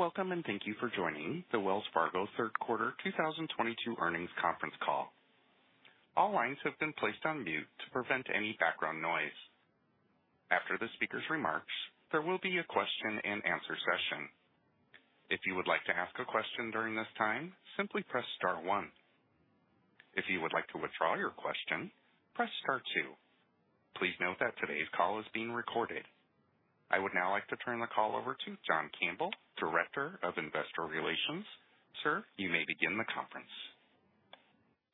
Welcome, and thank you for joining the Wells Fargo 3rd quarter 2022 earnings conference call. All lines have been placed on mute to prevent any background noise. After the speaker's remarks, there will be a question-and-answer session. If you would like to ask a question during this time, simply press star 1. If you would like to withdraw your question, press star 2. Please note that today's call is being recorded. I would now like to turn the call over to John Campbell, Director of Investor Relations. Sir, you may begin the conference.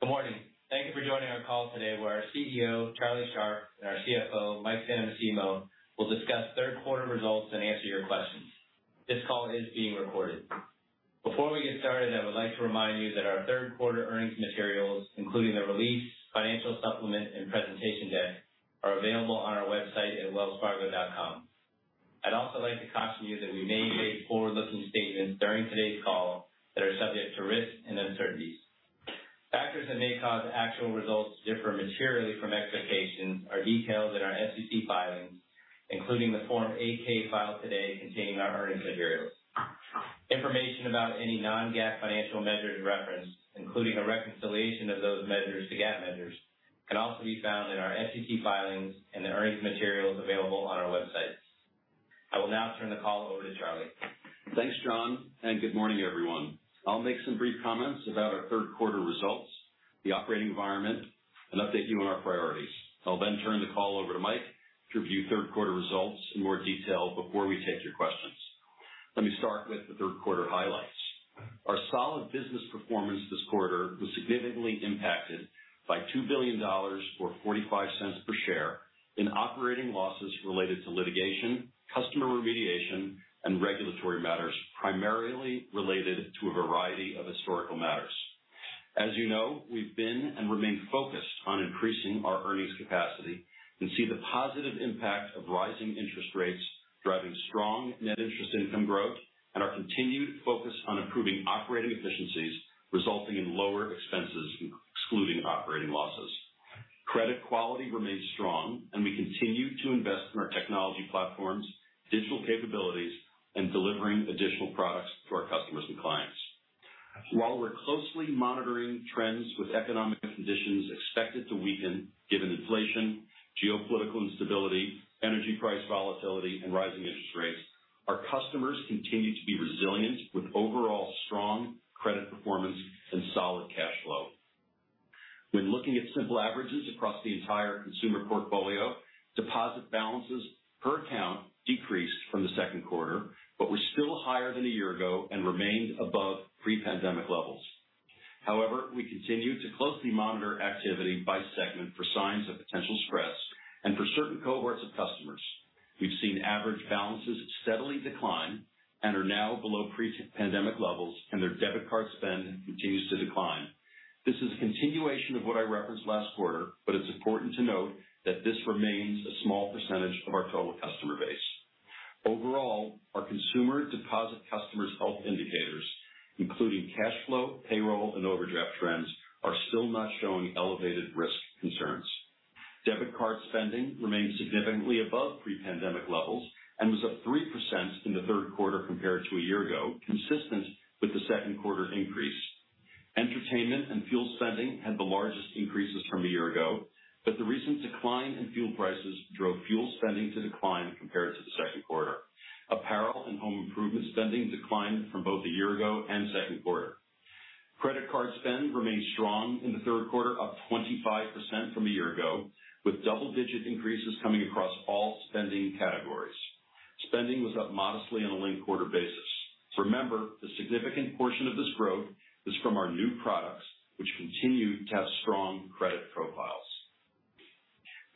Good morning. Thank you for joining our call today, where our CEO, Charlie Scharf, and our CFO, Mike Santomassimo, will discuss 3rd quarter results and answer your questions. This call is being recorded. Before we get started, I would like to remind you that our 3rd quarter earnings materials, including the release, financial supplement, and presentation deck, are available on our website at wellsfargo.com. I'd also like to caution you that we may make forward-looking statements during today's call that are subject to risks and uncertainties. Factors that may cause actual results to differ materially from expectations are detailed in our SEC filings, including the Form 8-K filed today containing our earnings materials. Information about any non-GAAP financial measures referenced, including a reconciliation of those measures to GAAP measures, can also be found in our SEC filings and the earnings materials available on our website. I will now turn the call over to Charlie. Thanks, John, and good morning, everyone. I'll make some brief comments about our 3rd quarter results, the operating environment, and update you on our priorities. I'll then turn the call over to Mike to review 3rd quarter results in more detail before we take your questions. Let me start with the 3rd quarter highlights. Our solid business performance this quarter was significantly impacted by $2 billion or $0.45 per share in operating losses related to litigation, customer remediation, and regulatory matters, primarily related to a variety of historical matters. As you know, we've been and remain focused on increasing our earnings capacity and see the positive impact of rising interest rates driving strong net interest income growth and our continued focus on improving operating efficiencies, resulting in lower expenses, excluding operating losses. Credit quality remains strong, and we continue to invest in our technology platforms, digital capabilities, and delivering additional products to our customers and clients. While we're closely monitoring trends with economic conditions expected to weaken given inflation, geopolitical instability, energy price volatility, and rising interest rates, our customers continue to be resilient with overall strong credit performance and solid cash flow. When looking at simple averages across the entire consumer portfolio, deposit balances per account decreased from the 2nd quarter, but were still higher than a year ago and remained above pre-pandemic levels. However, we continue to closely monitor activity by segment for signs of potential stress and for certain cohorts of customers. We've seen average balances steadily decline and are now below pre-pandemic levels, and their debit card spend continues to decline. This is a continuation of what I referenced last quarter, but it's important to note that this remains a small percentage of our total customer base. Overall, our consumer deposit customers' health indicators, including cash flow, payroll, and overdraft trends, are still not showing elevated risk concerns. Debit card spending remains significantly above pre-pandemic levels and was up 3% in the 3rd quarter compared to a year ago, consistent with the 2nd quarter increase. Entertainment and fuel spending had the largest increases from a year ago, but the recent decline in fuel prices drove fuel spending to decline compared to the 2nd quarter. Apparel and home improvement spending declined from both a year ago and 2nd quarter. Credit card spend remained strong in the 3rd quarter, up 25% from a year ago, with double-digit increases coming across all spending categories. Spending was up modestly on a linked quarter basis. Remember, the significant portion of this growth is from our new products, which continue to have strong credit profiles.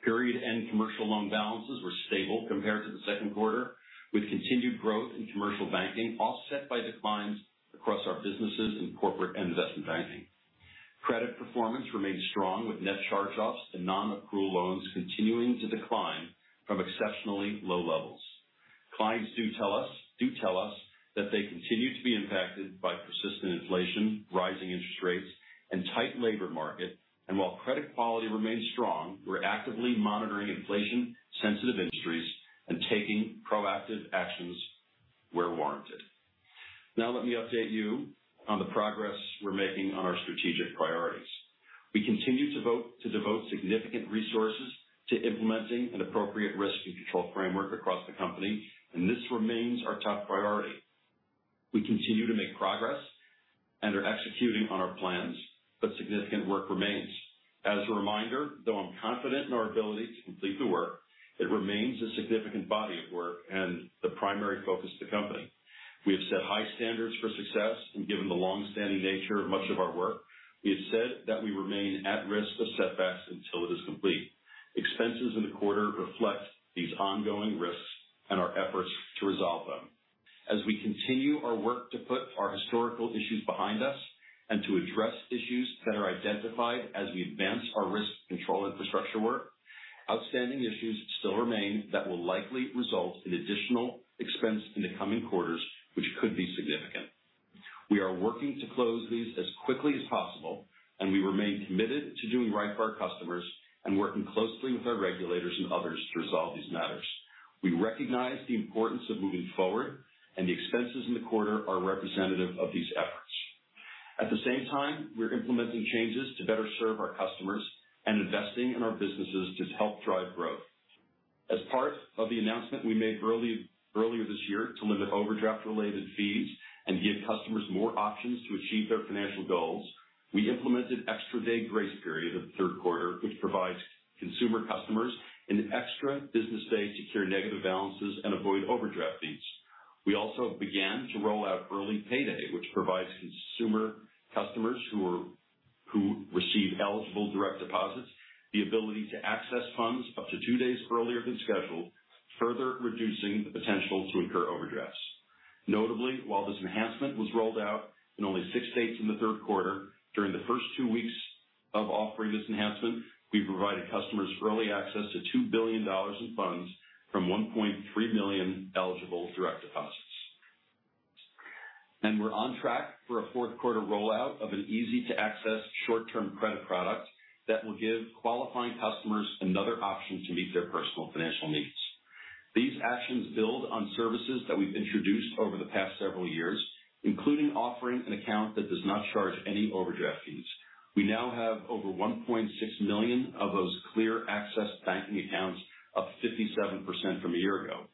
Period-end and commercial loan balances were stable compared to the 2nd quarter, with continued growth in commercial banking offset by declines across our businesses in corporate and investment banking. Credit performance remained strong with net charge-offs and non-accrual loans continuing to decline from exceptionally low levels. Clients do tell us that they continue to be impacted by persistent inflation, rising interest rates, and tight labor market. While credit quality remains strong, we're actively monitoring inflation-sensitive industries and taking proactive actions where warranted. Now, let me update you on the progress we're making on our strategic priorities. We continue to devote significant resources to implementing an appropriate risk and control framework across the company, and this remains our top priority. We continue to make progress and are executing on our plans, but significant work remains. As a reminder, though I'm confident in our ability to complete the work, it remains a significant body of work and the primary focus of the company. We have set high standards for success, and given the long-standing nature of much of our work, we have said that we remain at risk of setbacks until it is complete. Expenses in the quarter reflect these ongoing risks and our efforts to resolve them. As we continue our work to put our historical issues behind us and to address issues that are identified as we advance our risk control infrastructure work, outstanding issues still remain that will likely result in additional expense in the coming quarters, which could be significant. We are working to close these as quickly as possible, and we remain committed to doing right by our customers and working closely with our regulators and others to resolve these matters. We recognize the importance of moving forward, and the expenses in the quarter are representative of these efforts. At the same time, we're implementing changes to better serve our customers and investing in our businesses to help drive growth. As part of the announcement we made earlier this year to limit overdraft-related fees and give customers more options to achieve their financial goals, we implemented extra day grace period in the 3rd quarter, which provides consumer customers an extra business day to turn negative balances and avoid overdraft fees. We also began to roll out early payday, which provides consumer customers who receive eligible direct deposits, the ability to access funds up to two days earlier than scheduled, further reducing the potential to incur overdrafts. Notably, while this enhancement was rolled out in only 6 states in the 3rd quarter, during the first two weeks of offering this enhancement, we provided customers early access to $2 billion in funds from 1.3 million eligible direct deposits. We're on track for a 4th quarter rollout of an easy-to-access short-term credit product that will give qualifying customers another option to meet their personal financial needs. These actions build on services that we've introduced over the past several years, including offering an account that does not charge any overdraft fees. We now have over 1.6 million of those Clear Access Banking accounts, up 57% from a year ago.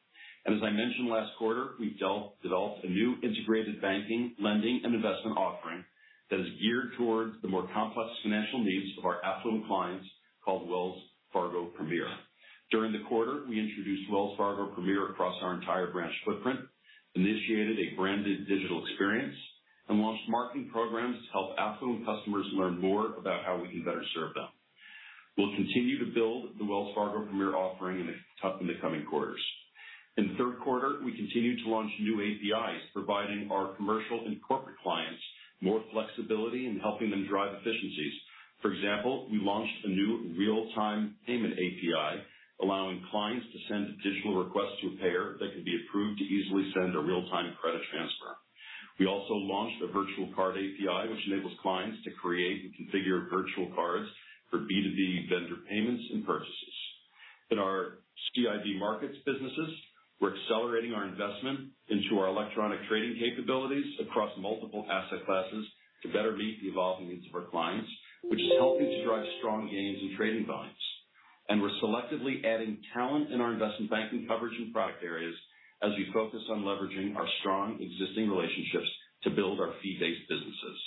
As I mentioned last quarter, we developed a new integrated banking, lending, and investment offering that is geared towards the more complex financial needs of our affluent clients called Wells Fargo Premier. During the quarter, we introduced Wells Fargo Premier across our entire branch footprint, initiated a branded digital experience, and launched marketing programs to help affluent customers learn more about how we can better serve them. We'll continue to build the Wells Fargo Premier offering in the coming quarters. In the 3rd quarter, we continued to launch new APIs, providing our commercial and corporate clients more flexibility in helping them drive efficiencies. For example, we launched a new real-time payment API, allowing clients to send a digital request to a payer that can be approved to easily send a real-time credit transfer. We also launched a virtual card API, which enables clients to create and configure virtual cards for B2B vendor payments and purchases. In our CIB Markets businesses, we're accelerating our investment into our electronic trading capabilities across multiple asset classes to better meet the evolving needs of our clients, which is helping to drive strong gains in trading volumes. We're selectively adding talent in our investment banking coverage and product areas as we focus on leveraging our strong existing relationships to build our fee-based businesses.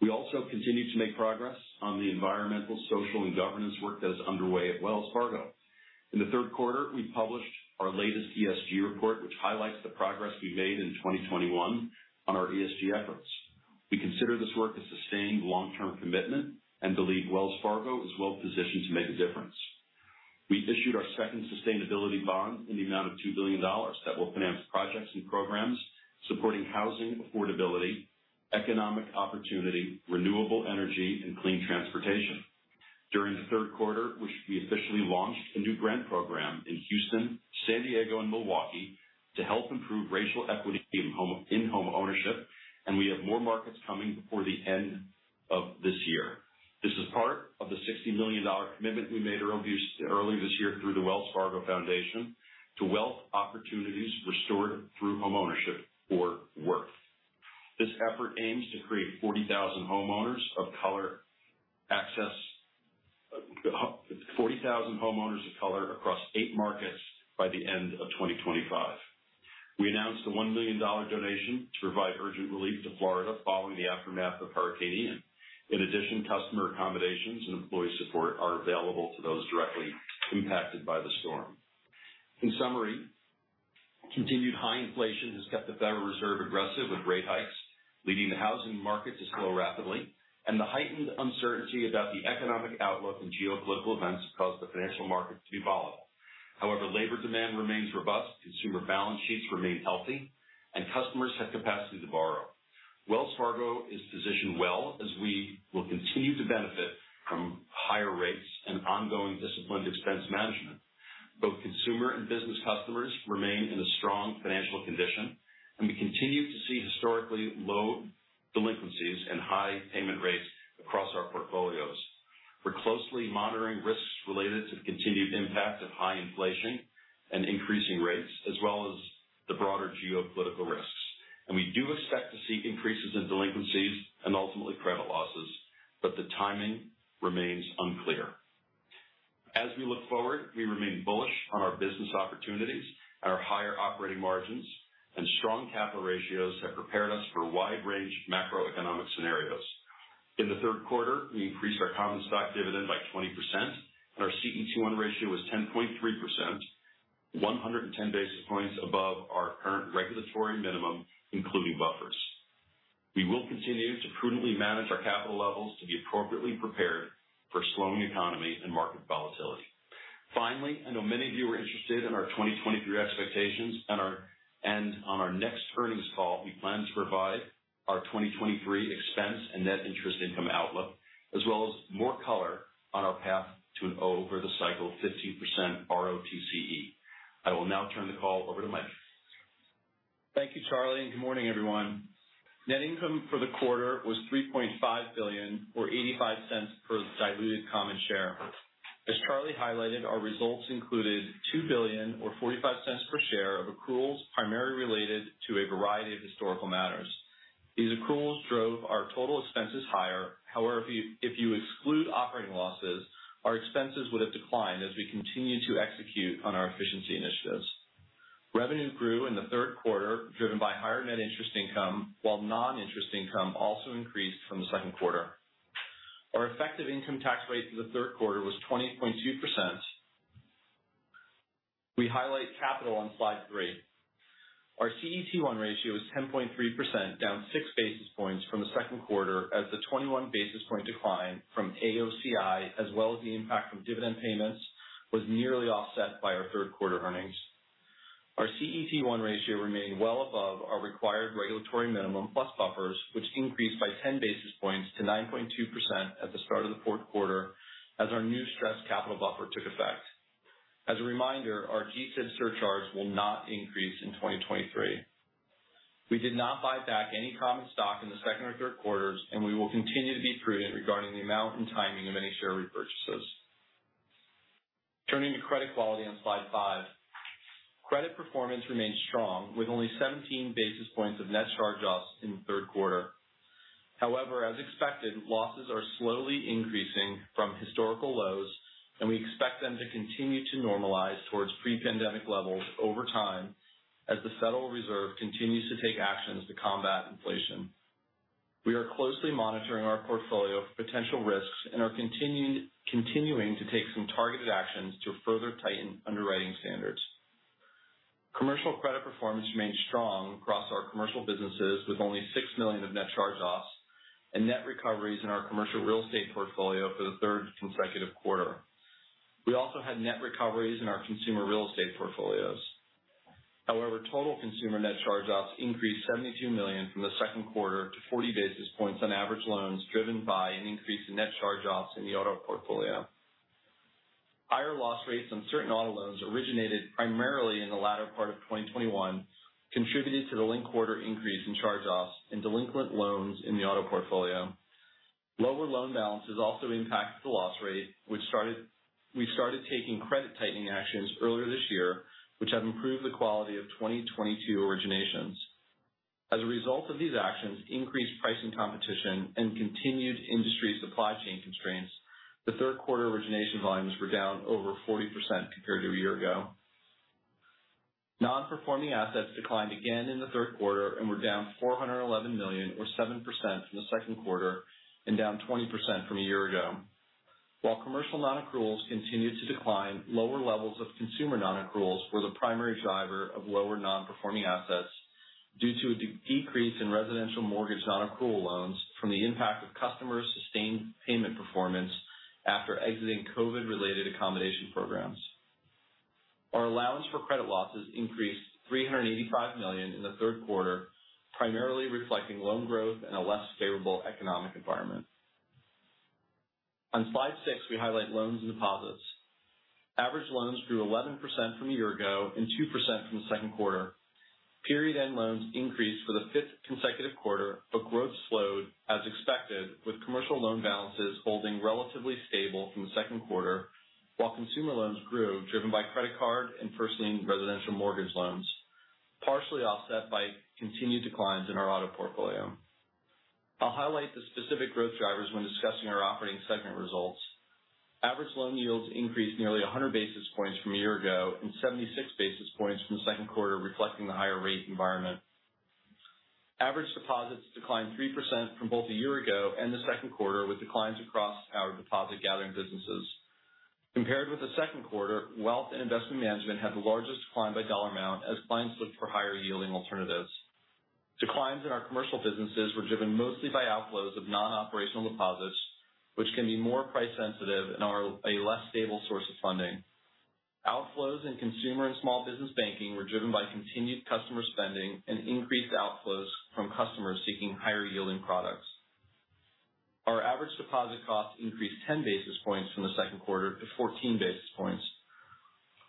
We also continue to make progress on the environmental, social, and governance work that is underway at Wells Fargo. In the 3rd quarter, we published our latest ESG report, which highlights the progress we made in 2021 on our ESG efforts. We consider this work a sustained long-term commitment and believe Wells Fargo is well-positioned to make a difference. We issued our second sustainability bond in the amount of $2 billion that will finance projects and programs supporting housing affordability, economic opportunity, renewable energy, and clean transportation. During the 3rd quarter, we officially launched a new grant program in Houston, San Diego, and Milwaukee to help improve racial equity in homeownership, and we have more markets coming before the end of this year. This is part of the $60 million commitment we made earlier this year through the Wells Fargo Foundation to Wealth Opportunities Restored through Homeownership, or WORK. This effort aims to create 40,000 homeowners of color across 8 markets by the end of 2025. We announced a $1 million donation to provide urgent relief to Florida following the aftermath of Hurricane Ian. In addition, customer accommodations and employee support are available to those directly impacted by the storm. In summary, continued high inflation has kept the Federal Reserve aggressive with rate hikes, leading the housing market to slow rapidly, and the heightened uncertainty about the economic outlook and geopolitical events caused the financial market to be volatile. However, labor demand remains robust, consumer balance sheets remain healthy, and customers have capacity to borrow. Wells Fargo is positioned well as we will continue to benefit from higher rates and ongoing disciplined expense management. Both consumer and business customers remain in a strong financial condition, and we continue to see historically low delinquencies and high payment rates across our portfolios. We're closely monitoring risks related to the continued impact of high inflation and increasing rates, as well as the broader geopolitical risks. We do expect to see increases in delinquencies and ultimately credit losses, but the timing remains unclear. As we look forward, we remain bullish on our business opportunities. Our higher operating margins and strong capital ratios have prepared us for a wide range of macroeconomic scenarios. In the 3rd quarter, we increased our common stock dividend by 20%, and our CET1 ratio was 10.3%, 110 basis points above our current regulatory minimum, including buffers. We will continue to prudently manage our capital levels to be appropriately prepared for slowing economy and market volatility. Finally, I know many of you are interested in our 2023 expectations and on our next earnings call, we plan to provide our 2023 expense and net interest income outlook, as well as more color on our path to over-the-cycle 50% ROTCE. I will now turn the call over to Mike. Thank you, Charlie, and good morning, everyone. Net income for the quarter was $3.5 billion or $0.85 per diluted common share. As Charlie highlighted, our results included $2 billion or $0.45 per share of accruals, primarily related to a variety of historical matters. These accruals drove our total expenses higher. However, if you exclude operating losses, our expenses would have declined as we continue to execute on our efficiency initiatives. Revenue grew in the 3rd quarter, driven by higher net interest income, while non-interest income also increased from the 2nd quarter. Our effective income tax rate for the 3rd quarter was 20.2%. We highlight capital on slide 3. Our CET1 ratio is 10.3%, down 6 basis points from the 2nd quarter as the 21 basis point decline from AOCI, as well as the impact from dividend payments, was nearly offset by our 3rd quarter earnings. Our CET1 ratio remained well above our required regulatory minimum plus buffers, which increased by 10 basis points to 9.2% at the start of the 4th quarter as our new stress capital buffer took effect. As a reminder, our G-SIB surcharge will not increase in 2023. We did not buy back any common stock in the second or 3rd quarters, and we will continue to be prudent regarding the amount and timing of any share repurchases. Turning to credit quality on slide five. Credit performance remained strong, with only 17 basis points of net charge-offs in the 3rd quarter. However, as expected, losses are slowly increasing from historical lows, and we expect them to continue to normalize towards pre-pandemic levels over time as the Federal Reserve continues to take actions to combat inflation. We are closely monitoring our portfolio for potential risks and are continuing to take some targeted actions to further tighten underwriting standards. Commercial credit performance remained strong across our commercial businesses, with only $6 million of net charge-offs and net recoveries in our commercial real estate portfolio for the third consecutive quarter. We also had net recoveries in our consumer real estate portfolios. However, total consumer net charge-offs increased $72 million from the 2nd quarter to 40 basis points on average loans driven by an increase in net charge-offs in the auto portfolio. Higher loss rates on certain auto loans originated primarily in the latter part of 2021 contributed to the linked quarter increase in charge-offs and delinquent loans in the auto portfolio. Lower loan balances also impacted the loss rate. We started taking credit tightening actions earlier this year, which have improved the quality of 2022 originations. As a result of these actions, increased pricing competition, and continued industry supply chain constraints, the 3rd quarter origination volumes were down over 40% compared to a year ago. Non-performing assets declined again in the 3rd quarter and were down $411 million or 7% from the 2nd quarter and down 20% from a year ago. While commercial non-accruals continued to decline, lower levels of consumer non-accruals were the primary driver of lower non-performing assets due to a decrease in residential mortgage non-accrual loans from the impact of customers' sustained payment performance after exiting COVID-related accommodation programs. Our allowance for credit losses increased $385 million in the 3rd quarter, primarily reflecting loan growth in a less favorable economic environment. On slide 6, we highlight loans and deposits. Average loans grew 11% from a year ago and 2% from the 2nd quarter. Period-end loans increased for the 5th consecutive quarter, but growth slowed as expected, with commercial loan balances holding relatively stable from the 2nd quarter, while consumer loans grew, driven by credit card and first-lien residential mortgage loans, partially offset by continued declines in our auto portfolio. I'll highlight the specific growth drivers when discussing our operating segment results. Average loan yields increased nearly 100 basis points from a year ago and 76 basis points from the 2nd quarter, reflecting the higher rate environment. Average deposits declined 3% from both a year ago and the 2nd quarter, with declines across our deposit gathering businesses. Compared with the 2nd quarter, Wealth and Investment Management had the largest decline by dollar amount as clients looked for higher yielding alternatives. Declines in our commercial businesses were driven mostly by outflows of non-operational deposits, which can be more price sensitive and are a less stable source of funding. Outflows in consumer and small business banking were driven by continued customer spending and increased outflows from customers seeking higher yielding products. Our average deposit cost increased 10 basis points from the 2nd quarter to 14 basis points.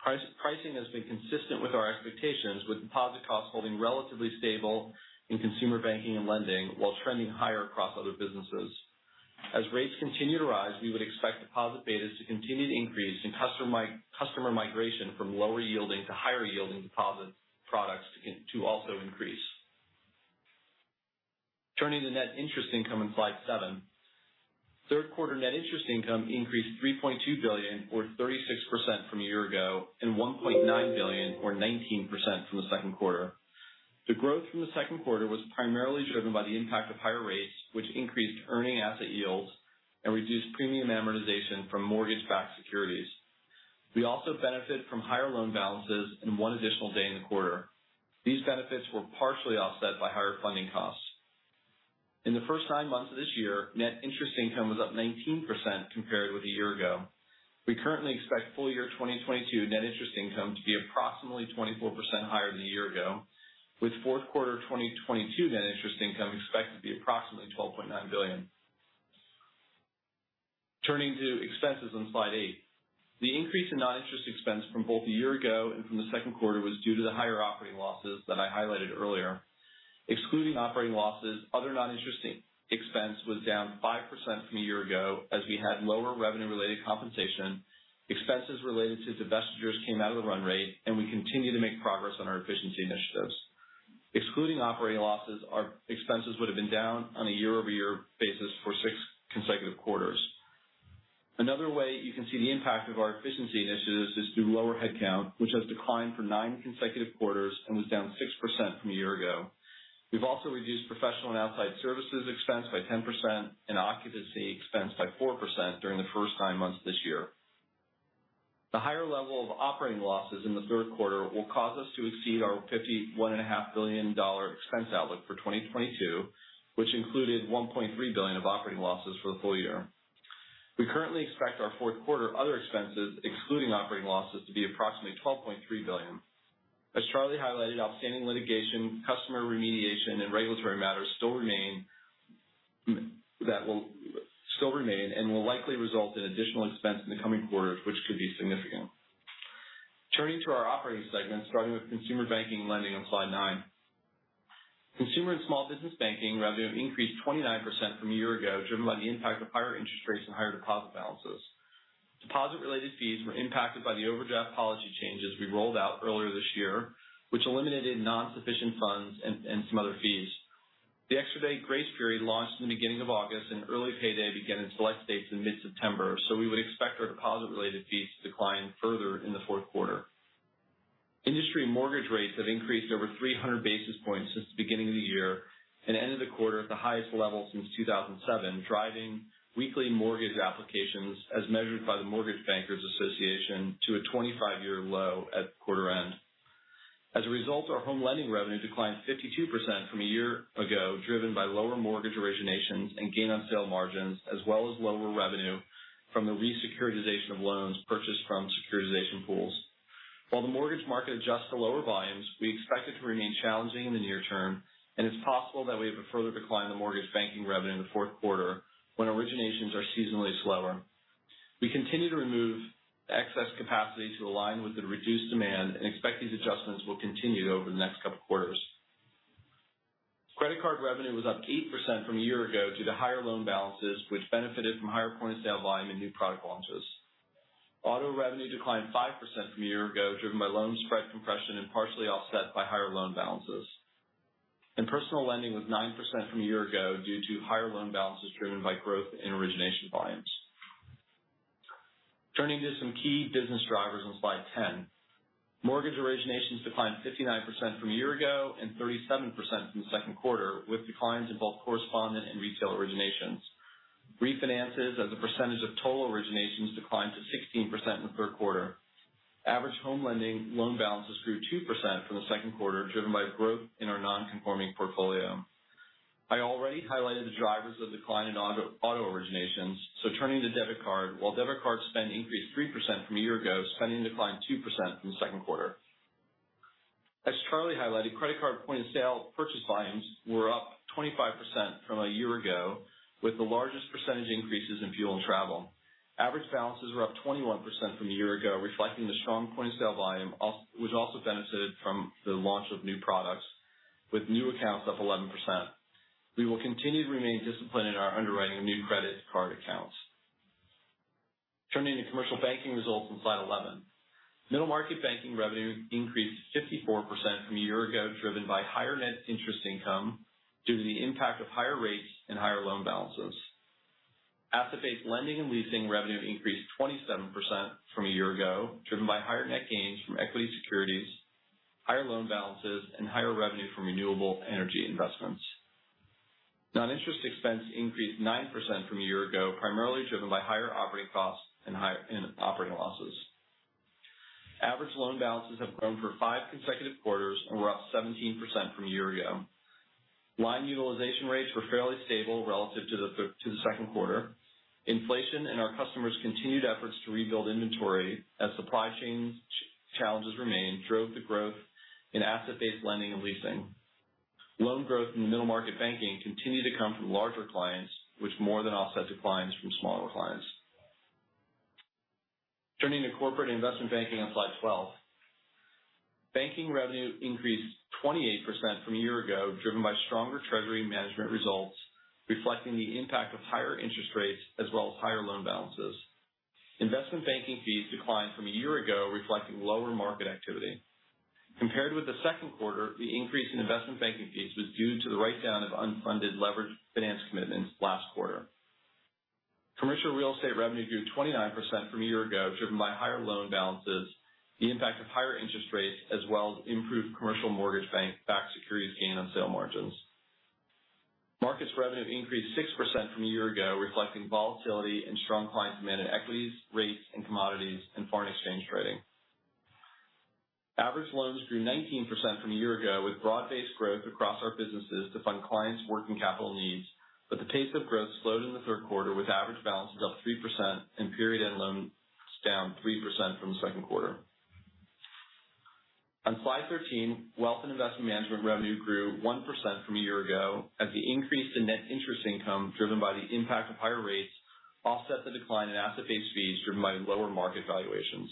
Pricing has been consistent with our expectations, with deposit costs holding relatively stable in consumer banking and lending while trending higher across other businesses. As rates continue to rise, we would expect deposit betas to continue to increase and customer migration from lower yielding to higher yielding deposit products to also increase. Turning to net interest income in slide seven. Third quarter net interest income increased $3.2 billion or 36% from a year ago and $1.9 billion or 19% from the 2nd quarter. The growth from the 2nd quarter was primarily driven by the impact of higher rates, which increased earning asset yields and reduced premium amortization from mortgage-backed securities. We also benefit from higher loan balances and one additional day in the quarter. These benefits were partially offset by higher funding costs. In the first nine months of this year, net interest income was up 19% compared with a year ago. We currently expect full year 2022 net interest income to be approximately 24% higher than a year ago, with 4th quarter 2022 net interest income expected to be approximately $12.9 billion. Turning to expenses on slide 8. The increase in non-interest expense from both a year ago and from the 2nd quarter was due to the higher operating losses that I highlighted earlier. Excluding operating losses, other non-interest expense was down 5% from a year ago as we had lower revenue-related compensation, expenses related to divestitures came out of the run rate, and we continue to make progress on our efficiency initiatives. Excluding operating losses, our expenses would have been down on a year-over-year basis for six consecutive quarters. Another way you can see the impact of our efficiency initiatives is through lower headcount, which has declined for nine consecutive quarters and was down 6% from a year ago. We've also reduced professional and outside services expense by 10% and occupancy expense by 4% during the first nine months this year. The higher level of operating losses in the 3rd quarter will cause us to exceed our $51.5 billion expense outlook for 2022, which included $1.3 billion of operating losses for the full year. We currently expect our 4th quarter other expenses, excluding operating losses, to be approximately $12.3 billion. As Charlie highlighted, outstanding litigation, customer remediation, and regulatory matters still remain and will likely result in additional expense in the coming quarters, which could be significant. Turning to our operating segments, starting with consumer banking and lending on slide 9. Consumer and small business banking revenue increased 29% from a year ago, driven by the impact of higher interest rates and higher deposit balances. Deposit-related fees were impacted by the overdraft policy changes we rolled out earlier this year, which eliminated non-sufficient funds and some other fees. The extra day grace period launched in the beginning of August, and early payday began in select dates in mid-September, so we would expect our deposit-related fees to decline further in the 4th quarter. Industry mortgage rates have increased over 300 basis points since the beginning of the year and ended the quarter at the highest level since 2007, driving weekly mortgage applications as measured by the Mortgage Bankers Association to a 25-year low at quarter end. As a result, our home lending revenue declined 52% from a year ago, driven by lower mortgage originations and gain on sale margins, as well as lower revenue from the re-securitization of loans purchased from securitization pools. While the mortgage market adjusts to lower volumes, we expect it to remain challenging in the near term, and it's possible that we have a further decline in the mortgage banking revenue in the 4th quarter when originations are seasonally slower. We continue to remove excess capacity to align with the reduced demand and expect these adjustments will continue over the next couple quarters. Credit card revenue was up 8% from a year ago due to higher loan balances, which benefited from higher point-of-sale volume and new product launches. Auto revenue declined 5% from a year ago, driven by loan spread compression and partially offset by higher loan balances. Personal lending was 9% from a year ago due to higher loan balances driven by growth in origination volumes. Turning to some key business drivers on slide 10. Mortgage originations declined 59% from a year ago and 37% from the 2nd quarter, with declines in both correspondent and retail originations. Refinances as a percentage of total originations declined to 16% in the 3rd quarter. Average home lending loan balances grew 2% from the 2nd quarter, driven by growth in our non-conforming portfolio. I already highlighted the drivers of decline in auto originations, so turning to debit card. While debit card spend increased 3% from a year ago, spending declined 2% from the 2nd quarter. As Charlie highlighted, credit card point-of-sale purchase volumes were up 25% from a year ago, with the largest percentage increases in fuel and travel. Average balances were up 21% from a year ago, reflecting the strong point-of-sale volume which also benefited from the launch of new products with new accounts up 11%. We will continue to remain disciplined in our underwriting of new credit card accounts. Turning to commercial banking results on slide 11. Middle market banking revenue increased 54% from a year ago, driven by higher net interest income due to the impact of higher rates and higher loan balances. Asset-based lending and leasing revenue increased 27% from a year ago, driven by higher net gains from equity securities, higher loan balances, and higher revenue from renewable energy investments. Non-interest expense increased 9% from a year ago, primarily driven by higher operating costs and operating losses. Average loan balances have grown for 5 consecutive quarters and were up 17% from a year ago. Line utilization rates were fairly stable relative to the 2nd quarter. Inflation and our customers' continued efforts to rebuild inventory as supply chain challenges remain drove the growth in asset-based lending and leasing. Loan growth in the middle market banking continued to come from larger clients, which more than offset declines from smaller clients. Turning to corporate investment banking on slide 12. Banking revenue increased 28% from a year ago, driven by stronger treasury management results reflecting the impact of higher interest rates as well as higher loan balances. Investment banking fees declined from a year ago, reflecting lower market activity. Compared with the 2nd quarter, the increase in investment banking fees was due to the write down of unfunded leveraged finance commitments last quarter. Commercial real estate revenue grew 29% from a year ago, driven by higher loan balances, the impact of higher interest rates, as well as improved commercial mortgage-backed securities gain on sale margins. Markets revenue increased 6% from a year ago, reflecting volatility and strong client demand in equities, rates and commodities, and foreign exchange trading. Average loans grew 19% from a year ago with broad-based growth across our businesses to fund clients' working capital needs, but the pace of growth slowed in the 3rd quarter with average balances up 3% in period alone than 3% in 2nd quarter. On slide 13, Wealth and Investment Management revenue grew 1% from a year ago as the increase in net interest income driven by the impact of higher rates offset the decline in asset-based fees driven by lower market valuations.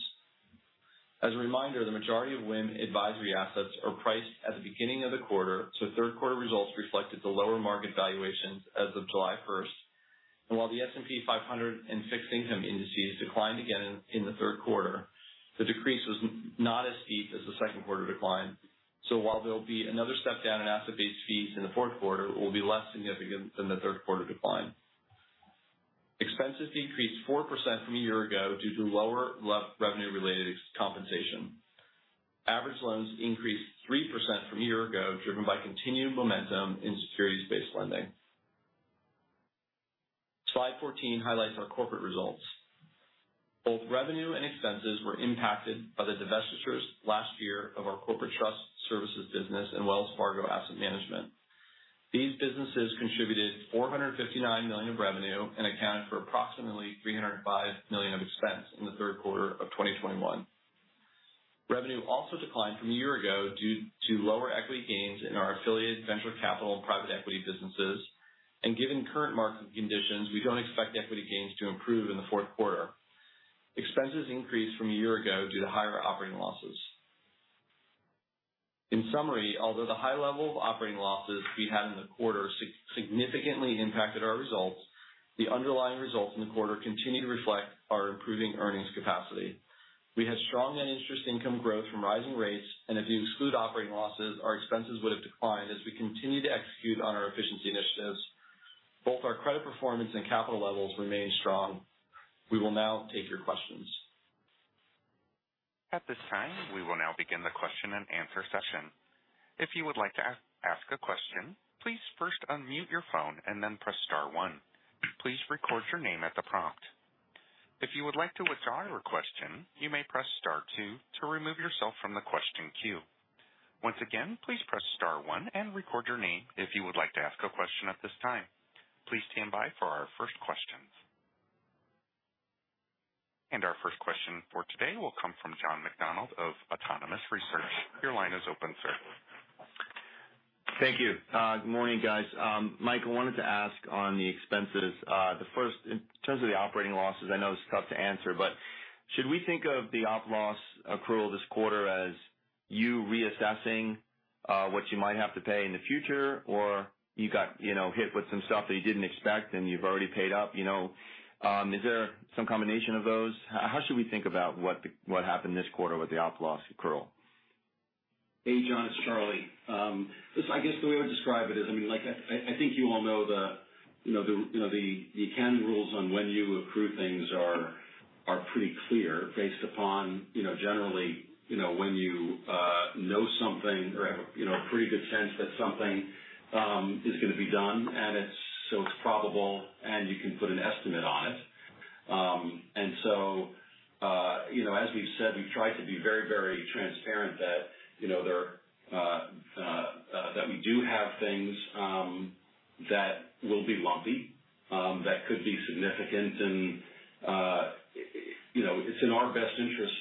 As a reminder, the majority of WIN advisory assets are priced at the beginning of the quarter, so 3rd quarter results reflected the lower market valuations as of July 1st. While the S&P 500 and fixed income indices declined again in the 3rd quarter, the decrease was not as steep as the 2nd quarter decline. While there'll be another step down in asset-based fees in the 4th quarter, it will be less significant than the 3rd quarter decline. Expenses decreased 4% from a year ago due to lower revenue-related compensation. Average loans increased 3% from a year ago, driven by continued momentum in securities-based lending. Slide 14 highlights our corporate results. Both revenue and expenses were impacted by the divestitures last year of our corporate trust services business and Wells Fargo Asset Management. These businesses contributed $459 million of revenue and accounted for approximately $305 million of expense in the 3rd quarter of 2021. Revenue also declined from a year ago due to lower equity gains in our affiliated venture capital and private equity businesses. Given current market conditions, we don't expect equity gains to improve in the 4th quarter. Expenses increased from a year ago due to higher operating losses. In summary, although the high level of operating losses we had in the quarter significantly impacted our results, the underlying results in the quarter continue to reflect our improving earnings capacity. We had strong net interest income growth from rising rates, and if you exclude operating losses, our expenses would have declined as we continue to execute on our efficiency initiatives. Both our credit performance and capital levels remain strong. We will now take your questions. At this time, we will now begin the question-and-answer session. If you would like to ask a question, please first unmute your phone and then press star one. Please record your name at the prompt. If you would like to withdraw your question, you may press star 2 to remove yourself from the question queue. Once again, please press star 1 and record your name if you would like to ask a question at this time. Please stand by for our first questions. Our first question for today will come from John McDonald of Autonomous Research. Your line is open, sir. Thank you. Good morning, guys. Mike, I wanted to ask on the expenses. The first, in terms of the operating losses, I know it's tough to answer, but should we think of the op loss accrual this quarter as you reassessing what you might have to pay in the future, or you got, you know, hit with some stuff that you didn't expect and you've already paid up, you know? Is there some combination of those? How should we think about what happened this quarter with the op loss accrual? Hey, John, it's Charlie. Listen, I guess the way I would describe it is, I mean, like, I think you all know the accrual rules on when you accrue things are pretty clear based upon generally when you know something or have a pretty good sense that something is gonna be done and it's probable and you can put an estimate on it. As we've said, we've tried to be very, very transparent that we do have things that will be lumpy that could be significant and you know it's in our best interest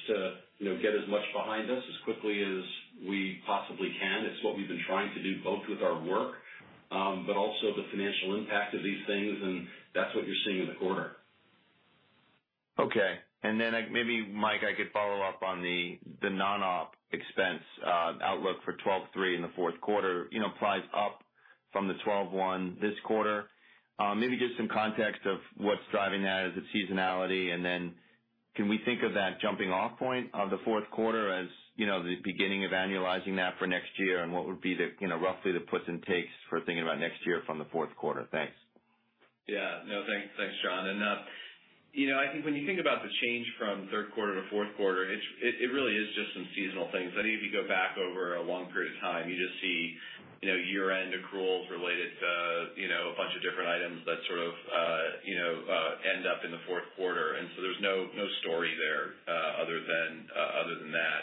to get as much behind us as quickly as we possibly can. It's what we've been trying to do both with our work, but also the financial impact of these things, and that's what you're seeing in the quarter. Okay. Like, maybe, Mike, I could follow up on the non-op expense outlook for $12.3 in the 4th quarter. You know, price up from the $12.1 this quarter. Maybe just some context of what's driving that. Is it seasonality? Can we think of that jumping off point of the 4th quarter as, you know, the beginning of annualizing that for next year? What would be the, you know, roughly the puts and takes for thinking about next year from the 4th quarter? Thanks. Yeah. No, thanks. Thanks, John. You know, I think when you think about the change from 3rd quarter to 4th quarter, it's really just some seasonal things. I think if you go back over a long period of time, you just see year-end accruals related to a bunch of different items that sort of end up in the 4th quarter. There's no story there other than that.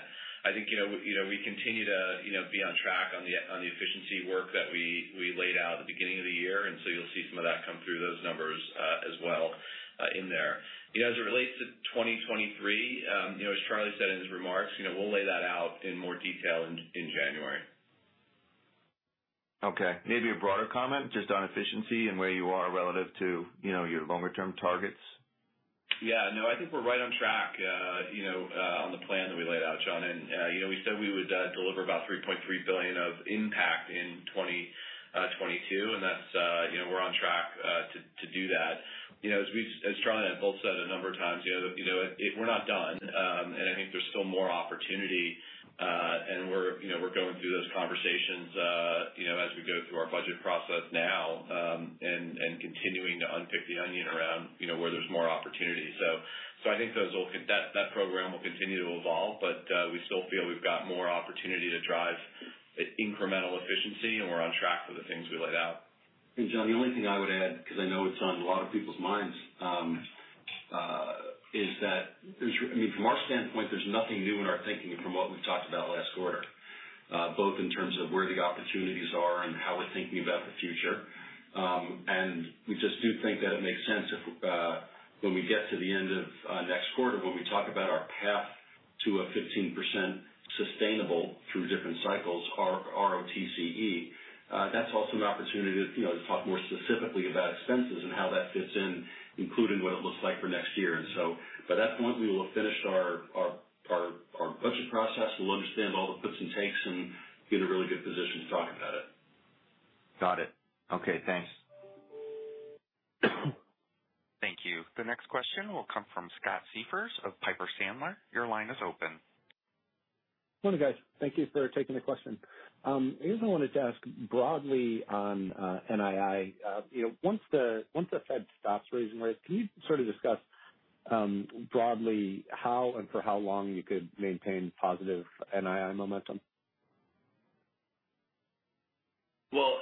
You know, we continue to be on track on the efficiency work that we laid out at the beginning of the year, and so you'll see some of that come through those numbers as well in there. You know, as it relates to 2023, you know, as Charlie said in his remarks, you know, we'll lay that out in more detail in January. Okay. Maybe a broader comment just on efficiency and where you are relative to, you know, your longer-term targets. Yeah. No, I think we're right on track, you know, on the plan that we laid out, John. You know, we said we would deliver about $3.3 billion of impact in 2022, and that's, you know, we're on track to do that. You know, as Charlie and I have both said a number of times, you know, we're not done. I think there's still more opportunity. We're, you know, we're going through those conversations, you know, as we go through our budget process now, and continuing to unpick the onion around, you know, where there's more opportunity. I think that program will continue to evolve, but we still feel we've got more opportunity to drive incremental efficiency, and we're on track for the things we laid out. John, the only thing I would add, because I know it's on a lot of people's minds, is that there's, I mean, from our standpoint, there's nothing new in our thinking from what we've talked about last quarter. Both in terms of where the opportunities are and how we're thinking about the future. We just do think that it makes sense if, when we get to the end of next quarter when we talk about our path to a 15% sustainable through different cycles ROTCE. That's also an opportunity to, you know, talk more specifically about expenses and how that fits in, including what it looks like for next year. By that point, we will have finished our budget process. We'll understand all the puts and takes and be in a really good position to talk about it. Got it. Okay, thanks. Thank you. The next question will come from Scott Siefers of Piper Sandler. Your line is open. Morning, guys. Thank you for taking the question. I just wanted to ask broadly on NII. Once the Fed stops raising rates, can you sort of discuss broadly how and for how long you could maintain positive NII momentum? Well,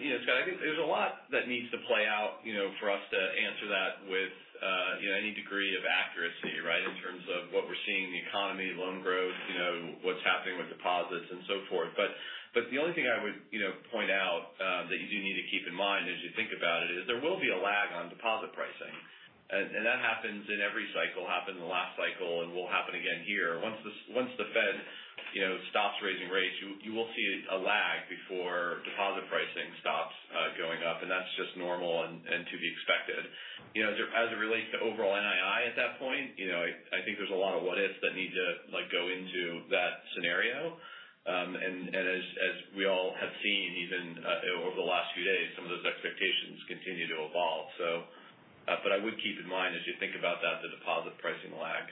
you know, Scott, I think there's a lot that needs to play out, you know, for us to answer that with, you know, any degree of accuracy, right? In terms of what we're seeing in the economy, loan growth, you know, what's happening with deposits and so forth. The only thing I would, you know, point out, that you do need to keep in mind as you think about it, is there will be a lag on deposit pricing. That happens in every cycle, happened in the last cycle and will happen again here. Once the Fed, you know, stops raising rates, you will see a lag before deposit pricing stops going up, and that's just normal and to be expected. You know, as it relates to overall NII at that point, you know, I think there's a lot of what-ifs that need to, like, go into that scenario. And as we all have seen, even over the last few days, some of those expectations continue to evolve. But I would keep in mind, as you think about that, the deposit pricing lag.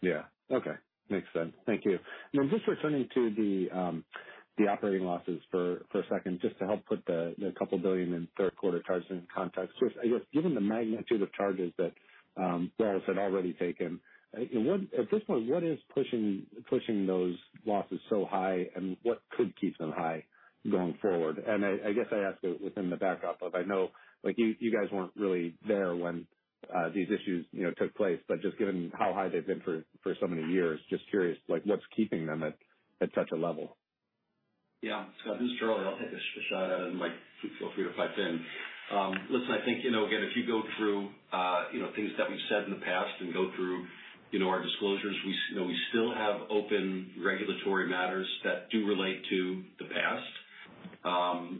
Yeah. Okay. Makes sense. Thank you. Now, just returning to the operating losses for a second, just to help put the $2 billion in 3rd quarter charges in context. Just, I guess, given the magnitude of charges that Wells had already taken, what, at this point, what is pushing those losses so high, and what could keep them high going forward? I guess I ask it within the backup, but I know, like, you guys weren't really there when these issues, you know, took place. Just given how high they've been for so many years, just curious, like, what's keeping them at such a level? Yeah. Scott, this is Charlie. I'll take a shot at it and Mike, feel free to pipe in. Listen, I think you know again, if you go through, you know, things that we've said in the past and go through, you know, our disclosures, we, you know, we still have open regulatory matters that do relate to the past.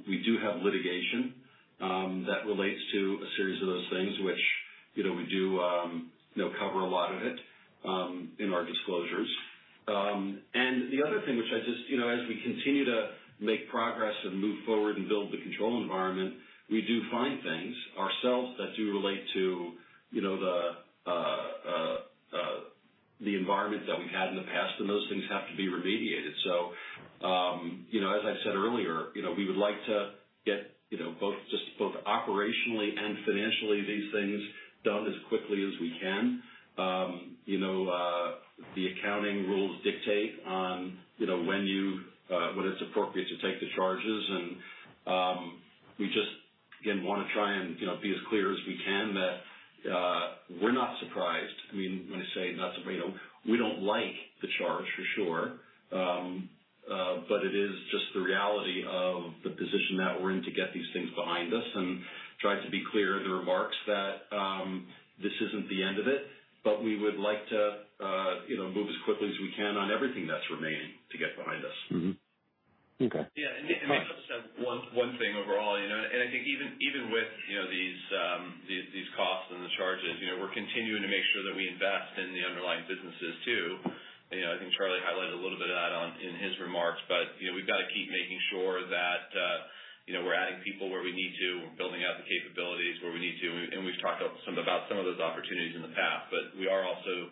We do have litigation that relates to a series of those things which, you know, we do, you know, cover a lot of it in our disclosures. The other thing which I just, you know, as we continue to make progress and move forward and build the control environment, we do find things ourselves that do relate to, you know, the environment that we had in the past, and those things have to be remediated. As I said earlier, you know, we would like to get, you know, both operationally and financially, these things done as quickly as we can. You know, the accounting rules dictate when it's appropriate to take the charges. We just again wanna try and, you know, be as clear as we can that we're not surprised. I mean, when I say, you know, we don't like the charge for sure. It is just the reality of the position that we're in to get these things behind us and tried to be clear in the remarks that this isn't the end of it. We would like to, you know, move as quickly as we can on everything that's remaining to get behind us. Mm-hmm. Okay. Yeah. Mike One thing overall, you know, and I think even with, you know, these costs and the charges, you know, we're continuing to make sure that we invest in the underlying businesses too. You know, I think Charlie highlighted a little bit of that in his remarks. You know, we've got to keep making sure that, you know, we're adding people where we need to. We're building out the capabilities where we need to. We've talked some about some of those opportunities in the past, but we are also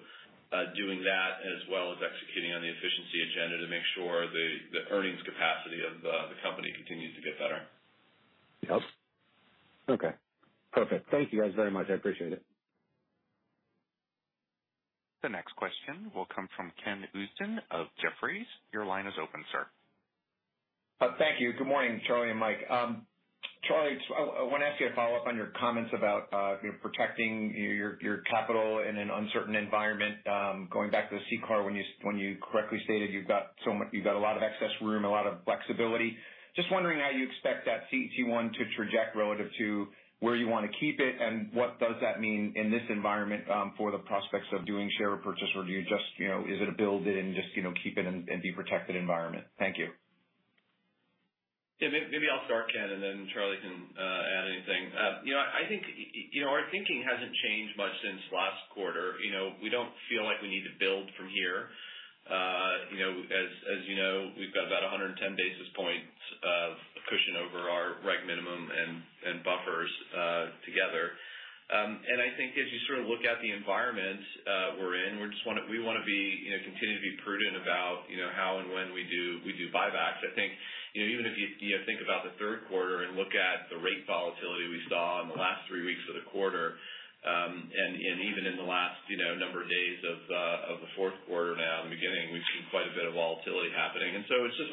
doing that as well as executing on the efficiency agenda to make sure the earnings capacity of the company continues to get better. Yes. Okay, perfect. Thank you, guys, very much. I appreciate it. The next question will come from Ken Usdin of Jefferies. Your line is open, sir. Thank you. Good morning, Charlie and Mike. Charlie, I wanna ask you a follow-up on your comments about, you know, protecting your capital in an uncertain environment. Going back to the CCAR when you correctly stated you've got a lot of excess room, a lot of flexibility. Just wondering how you expect that CET1 to traject relative to where you wanna keep it, and what does that mean in this environment for the prospects of doing share repurchase? Or do you just, you know, is it a build it and just, you know, keep it in the protected environment? Thank you. Yeah. Maybe I'll start, Ken, and then Charlie can add anything. You know, I think you know, our thinking hasn't changed much since last quarter. You know, we don't feel like we need to build from here. You know, as you know, we've got about 110 basis points of cushion over our reg minimum and buffers together. I think as you sort of look at the environment we're in, we just wanna be, you know, continue to be prudent about, you know, how and when we do buybacks. I think, you know, even if you know, think about the 3rd quarter and look at the rate volatility we saw in the last three weeks of the quarter, and even in the last, you know, number of days of the 4th quarter now in the beginning, we've seen quite a bit of volatility happening. It's just.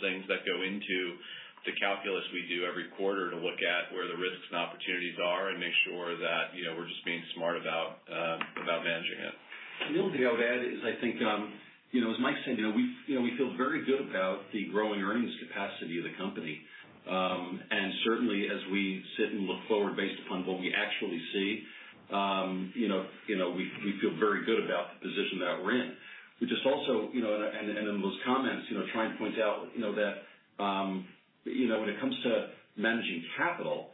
Things that go into the calculus we do every quarter to look at where the risks and opportunities are and make sure that, you know, we're just being smart about managing it. The only thing I would add is I think, you know, as Mike said, you know, we feel very good about the growing earnings capacity of the company. Certainly as we sit and look forward based upon what we actually see, you know, we feel very good about the position that we're in. We just also, you know, and in those comments, you know, try and point out, you know, that, you know, when it comes to managing capital,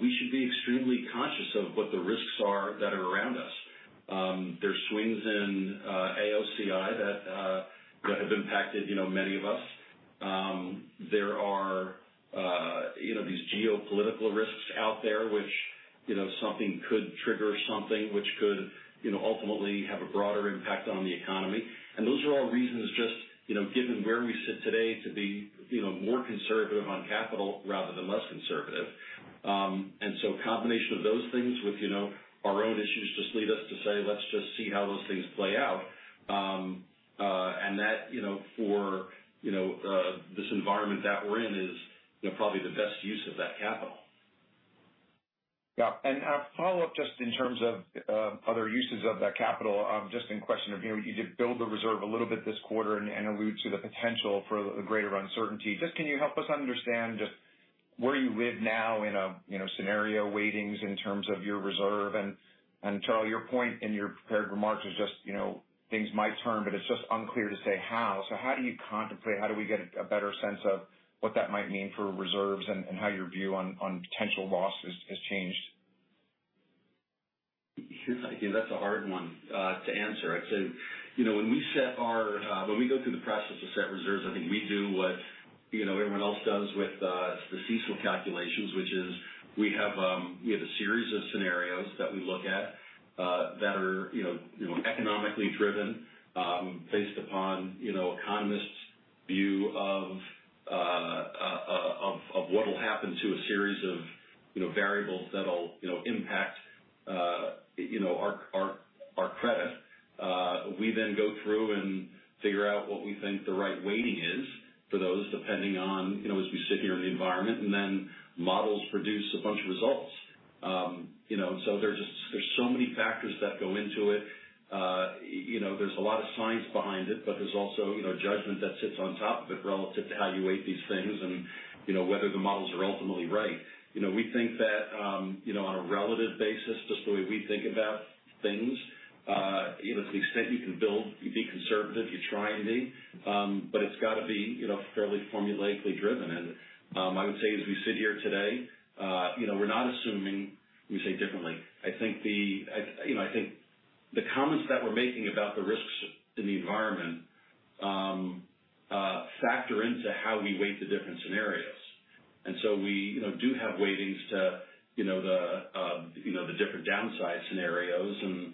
we should be extremely conscious of what the risks are that are around us. There's swings in AOCI that have impacted, you know, many of us. There are, you know, these geopolitical risks out there which, you know, something could trigger something which could, you know, ultimately have a broader impact on the economy. Those are all reasons just, you know, given where we sit today to be, you know, more conservative on capital rather than less conservative. Combination of those things with, you know, our own issues just lead us to say, "Let's just see how those things play out." That, you know, for, you know, this environment that we're in is, you know, probably the best use of that capital. Yeah. A follow-up just in terms of other uses of that capital. Just a question of, you know, you did build the reserve a little bit this quarter and alluded to the potential for a greater uncertainty. Just can you help us understand just where you live now in a you know scenario weightings in terms of your reserve? And Charlie, your point in your prepared remarks is just, you know, things might turn, but it's just unclear to say how. So how do you contemplate, how do we get a better sense of what that might mean for reserves and how your view on potential losses has changed? Yes, I think that's a hard one to answer. I'd say, you know, when we go through the process to set reserves, I think we do what, you know, everyone else does with the CECL calculations, which is we have a series of scenarios that we look at, that are, you know, economically driven, based upon, you know, economists' view of what will happen to a series of, you know, variables that'll, you know, impact you know our credit. We then go through and figure out what we think the right weighting is for those depending on, you know, as we sit here in the environment, and then models produce a bunch of results. You know, there's just so many factors that go into it. You know, there's a lot of science behind it, but there's also, you know, judgment that sits on top of it relative to how you weight these things and, you know, whether the models are ultimately right. You know, we think that, you know, on a relative basis, just the way we think about things, you know, to the extent you can build, you be conservative, you try and be, but it's gotta be, you know, fairly formulaically driven. I would say as we sit here today, you know, we're not assuming we say differently. I think the comments that we're making about the risks in the environment factor into how we weight the different scenarios. We, you know, do have weightings to, you know, the, you know, the different downside scenarios and,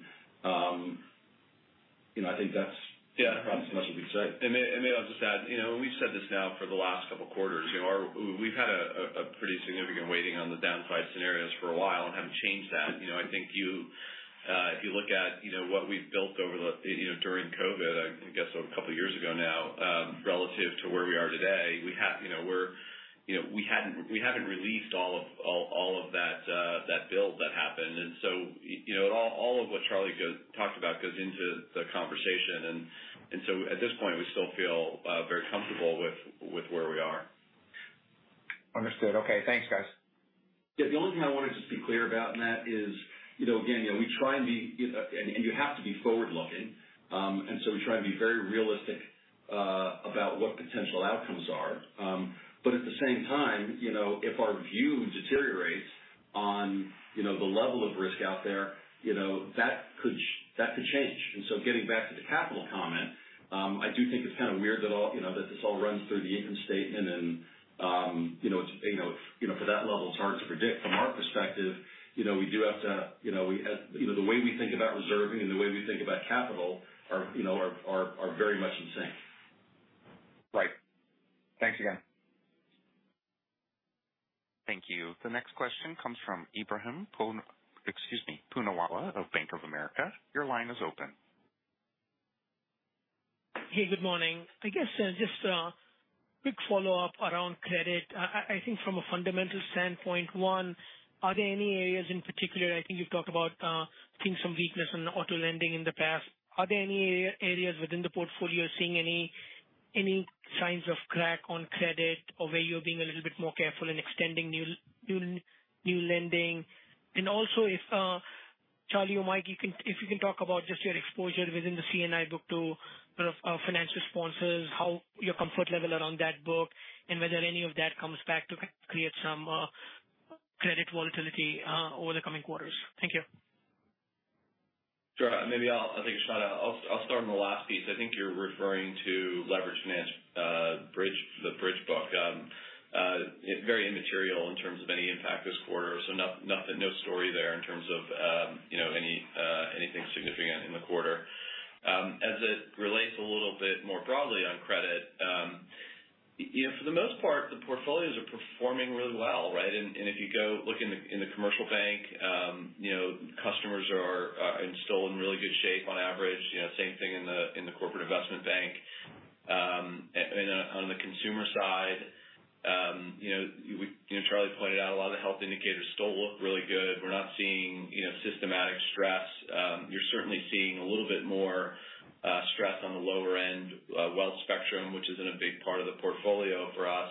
you know, I think that's. Yeah. Probably as much as we can say. May I just add, you know, and we've said this now for the last couple quarters, you know, our. We've had a pretty significant weighting on the downside scenarios for a while and haven't changed that. You know, I think if you look at, you know, what we've built over the, you know, during COVID, I guess a couple years ago now, relative to where we are today, we have, you know, we're, you know, we hadn't, we haven't released all of that build that happened. So at this point, we still feel very comfortable with where we are. Understood. Okay. Thanks, guys. Yeah. The only thing I wanna just be clear about, and that is, you know, again, you know, we try and be, and you have to be forward-looking. We try and be very realistic about what potential outcomes are. At the same time, you know, if our view deteriorates on, you know, the level of risk out there, you know, that could change. Getting back to the capital comment, I do think it's kind of weird that all, you know, that this all runs through the income statement and, you know, it's, you know, you know, for that level, it's hard to predict. From our perspective, you know, we have, you know, the way we think about reserving and the way we think about capital are, you know, very much in sync. Right. Thanks again. Thank you. The next question comes from Ebrahim Poonawala of Bank of America. Your line is open. Hey, good morning. I guess just quick follow-up around credit. I think from a fundamental standpoint, one, are there any areas in particular, I think you've talked about seeing some weakness in auto lending in the past. Are there any areas within the portfolio seeing any signs of cracks on credit or where you're being a little bit more careful in extending new lending? Also if Charlie or Mike, you can talk about just your exposure within the C&I book to sort of financial sponsors, how your comfort level around that book, and whether any of that comes back to create some credit volatility over the coming quarters. Thank you. Sure. I think, Ebrahim, I'll start on the last piece. I think you're referring to leverage finance, bridge, the bridge book. It's very immaterial in terms of any impact this quarter. Nothing, no story there in terms of, you know, anything significant in the quarter. As it relates a little bit more broadly on credit, you know, for the most part performing really well, right? If you go look in the commercial bank, you know, customers are still in really good shape on average. You know, same thing in the corporate investment bank. On the consumer side, you know, Charlie pointed out a lot of the health indicators still look really good. We're not seeing, you know, systemic stress. You're certainly seeing a little bit more stress on the lower end wealth spectrum, which isn't a big part of the portfolio for us.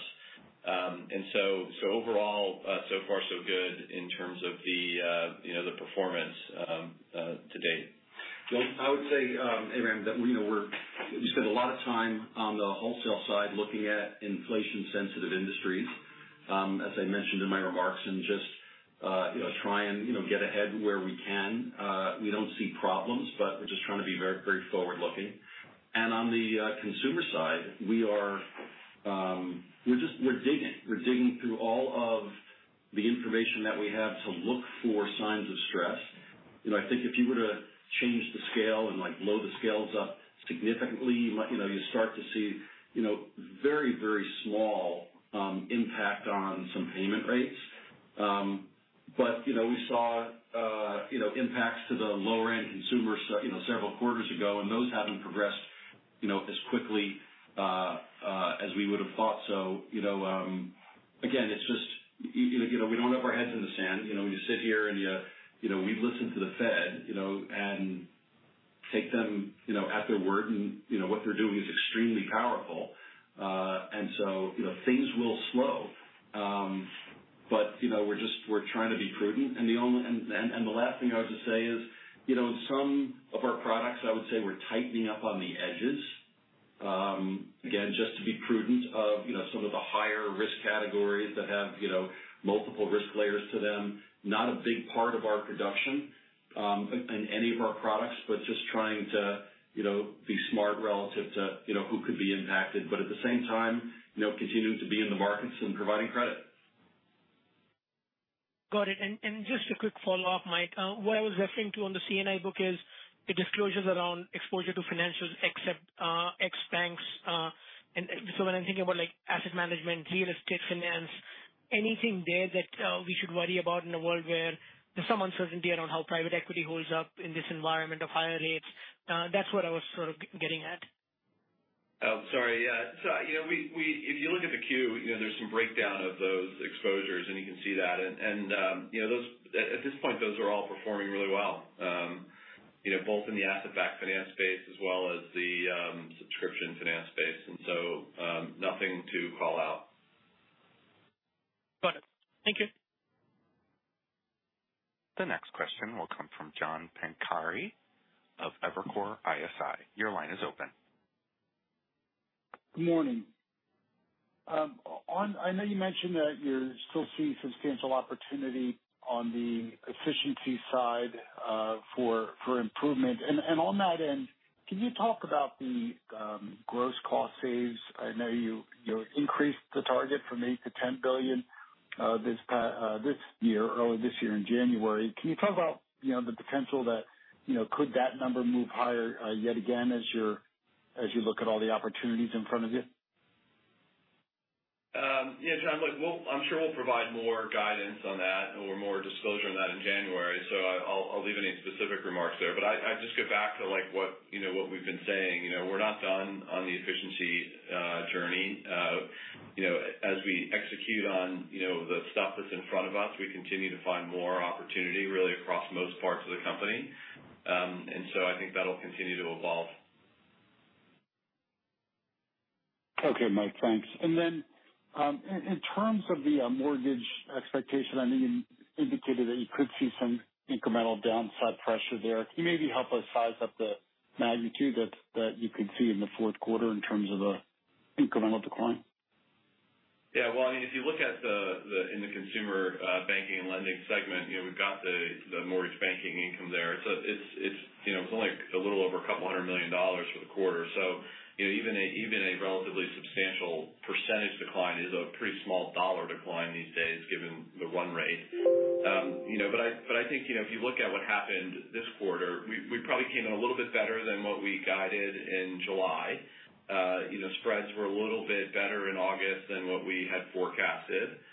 Overall, so far, so good in terms of the, you know, the performance to date. Well, I would say, Ebrahim, that, you know, we're we spend a lot of time on the wholesale side looking at inflation sensitive industries, as I mentioned in my remarks, and just, you know, try and, you know, get ahead where we can. We don't see problems, but we're just trying to be very, very forward looking. On the consumer side, we are, we're just digging. We're digging through all of the information that we have to look for signs of stress. You know, I think if you were to change the scale and, like, blow the scales up significantly, you might, you know, you start to see, you know, very, very small impact on some payment rates. You know, we saw, you know, impacts to the lower end consumer several quarters ago, and those haven't progressed, you know, as quickly as we would have thought. You know, again, it's just, you know, we don't have our heads in the sand. You know, we sit here and you know, we listen to the Fed, you know, and take them, you know, at their word. You know, what they're doing is extremely powerful. You know, things will slow. You know, we're just trying to be prudent. The last thing I would just say is, you know, some of our products I would say we're tightening up on the edges. Again, just to be prudent of, you know, some of the higher risk categories that have, you know, multiple risk layers to them. Not a big part of our production in any of our products, but just trying to, you know, be smart relative to, you know, who could be impacted, but at the same time, you know, continuing to be in the markets and providing credit. Got it. Just a quick follow-up, Mike. What I was referring to on the C&I book is the disclosures around exposure to financials except ex banks. When I'm thinking about, like, asset management, real estate finance, anything there that we should worry about in a world where there's some uncertainty around how private equity holds up in this environment of higher rates? That's what I was sort of getting at. If you look at the Q, you know, there's some breakdown of those exposures, and you can see that. At this point, those are all performing really well, you know, both in the asset-backed finance space as well as the subscription finance space, and nothing to call out. Got it. Thank you. The next question will come from John Pancari of Evercore ISI. Your line is open. Good morning. I know you mentioned that you're still seeing substantial opportunity on the efficiency side for improvement. On that end, can you talk about the gross cost saves? I know you increased the target from $8 billion-$10 billion early this year in January. Can you talk about you know the potential that you know could that number move higher yet again as you look at all the opportunities in front of you? Yeah, John, look, we'll, I'm sure we'll provide more guidance on that or more disclosure on that in January. I'll leave any specific remarks there. I just go back to, like, what, you know, what we've been saying. You know, we're not done on the efficiency journey. You know, as we execute on, you know, the stuff that's in front of us, we continue to find more opportunity really across most parts of the company. I think that'll continue to evolve. Okay, Mike, thanks. In terms of the mortgage expectation, I mean, you indicated that you could see some incremental downside pressure there. Can you maybe help us size up the magnitude that you could see in the 4th quarter in terms of an incremental decline? Yeah. Well, I mean, if you look at the consumer banking and lending segment, you know, we've got the mortgage banking income there. It's only a little over $200 million for the quarter. So, you know, even a relatively substantial percentage decline is a pretty small dollar decline these days given the run rate. You know, but I think, you know, if you look at what happened this quarter, we probably came in a little bit better than what we guided in July. You know, spreads were a little bit better in August than what we had forecasted.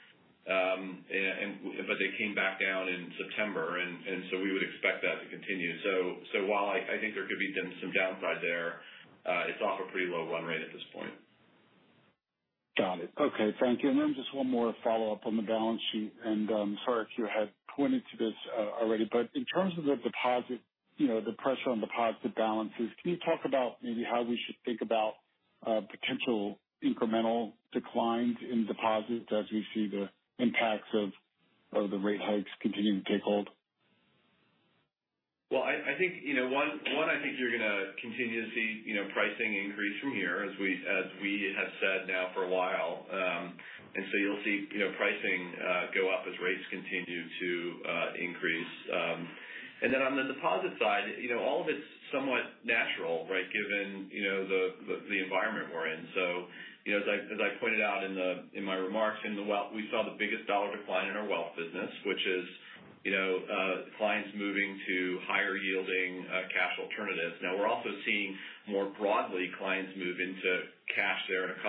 But they came back down in September and so we would expect that to continue. While I think there could be some downside there, it's off a pretty low run rate at this point. Got it. Okay. Thank you. Just one more follow-up on the balance sheet. Sorry if you had pointed to this already, but in terms of the deposit, you know, the pressure on deposit balances, can you talk about maybe how we should think about potential incremental declines in deposits as we see the impacts of the rate hikes continuing to take hold? Well, I think, you know, one, I think you're gonna continue to see, you know, pricing increase from here, as we have said now for a while. And so you'll see, you know, pricing go up as rates continue to increase. And then on the deposit side, you know, all of it's somewhat natural, right? Given, you know, the environment we're in. You know, as I pointed out in my remarks, we saw Business, which is, you know, clients moving to higher yielding cash alternatives. Now we're also seeing more broadly clients move into cash there in a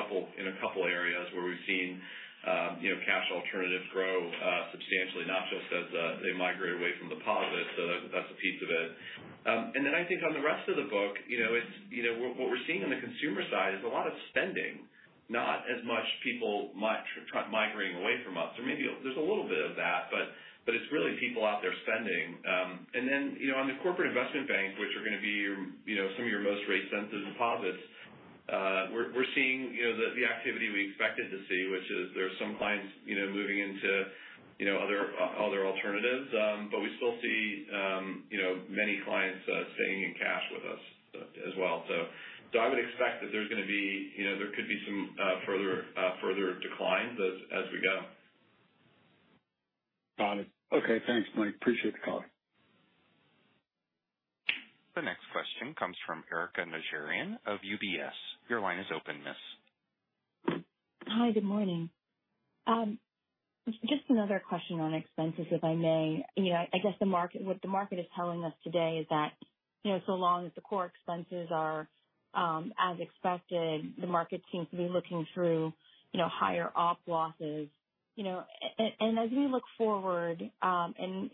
couple areas where we've seen, you know, cash alternatives grow substantially, not just as they migrate away from deposits. That's a piece of it. I think on the rest of the book, you know, it's, you know, what we're seeing on the consumer side is a lot of spending, not as much people migrating away from us. Maybe there's a little bit of that, but it's really people out there spending. You know, on the corporate investment banks, which are gonna be your, you know, some of your most rate sensitive deposits, we're seeing, you know, the activity we expected to see, which is there are some clients, you know, moving into, you know, other alternatives. But we still see, you know, many clients staying in cash with us as well. I would expect that there's gonna be, you know, there could be some further declines as we go. Got it. Okay, thanks, Mike. Appreciate the call. The next question comes from Erika Najarian of UBS. Your line is open, miss. Hi, good morning. Just another question on expenses, if I may. You know, I guess the market - what the market is telling us today is that, you know, so long as the core expenses are, as expected, the market seems to be looking through, you know, higher OP losses, you know. And as we look forward, and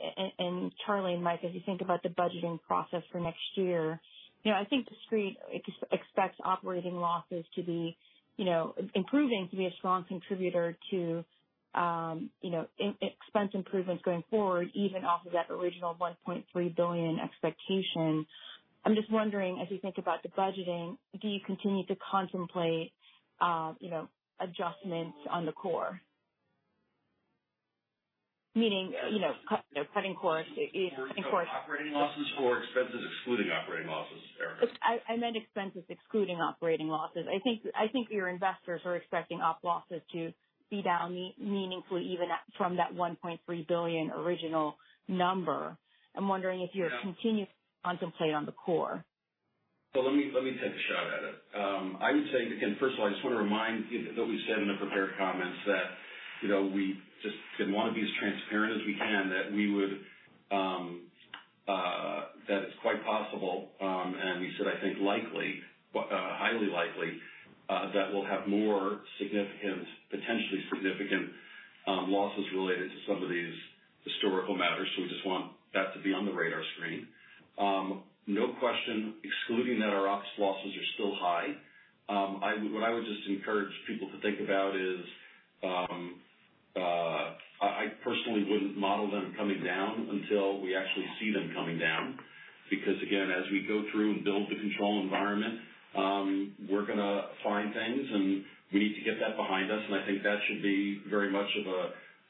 Charlie and Mike, as you think about the budgeting process for next year, you know, I think the Street expects operating losses to be, you know, improving to be a strong contributor to, you know, expense improvements going forward, even off of that original $1.3 billion expectation. I'm just wondering, as you think about the budgeting, do you continue to contemplate, you know, adjustments on the core? Meaning, you know, cutting core earning cores. Operating losses or expenses excluding operating losses, Erika? I meant expenses excluding operating losses. I think your investors are expecting OP losses to be down meaningfully even from that $1.3 billion original number. I'm wondering if you're- Yeah. Continuing to contemplate on the core. Let me take a shot at it. I would say, again, first of all, I just wanna remind you that we said in the prepared comments that, you know, we just want to be as transparent as we can, that it's quite possible, and we said, I think, likely, highly likely, that we'll have more significant, potentially significant, losses related to some of these historical matters. We just want that to be on the radar screen. No question, excluding that our ops losses are still high. What I would just encourage people to think about is, I personally wouldn't model them coming down until we actually see them coming down because again, as we go through and build the control environment, we're gonna find things, and we need to get that behind us. I think that should be very much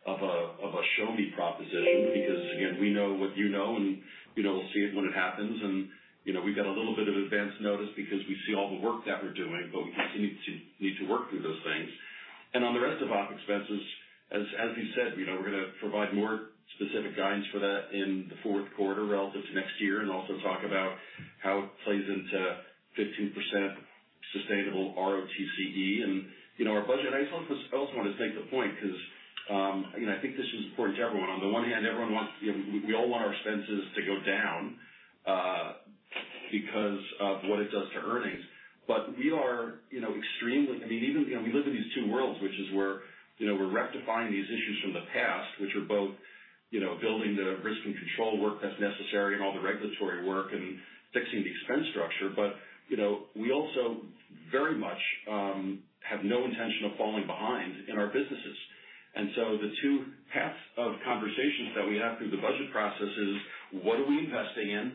of a show me proposition because, again, we know what you know, and you know we'll see it when it happens. You know, we've got a little bit of advance notice because we see all the work that we're doing, but we continue to need to work through those things. On the rest of OpEx expenses, as you said, you know, we're gonna provide more specific guidance for that in the 4th quarter relative to next year, and also talk about how it plays into 15% sustainable ROTCE. You know our budget. I just also want to make the point because, you know, I think this is important to everyone. On the one hand, everyone wants, you know, we all want our expenses to go down, because of what it does to earnings. We are, you know, extremely. I mean, even, you know, we live in these two worlds, which is we're, you know, we're rectifying these issues from the past, which are both, you know, building the risk and control work that's necessary and all the regulatory work and fixing the expense structure. You know, we also very much have no intention of falling behind in our businesses. The two paths of conversations that we have through the budget process is what are we investing in,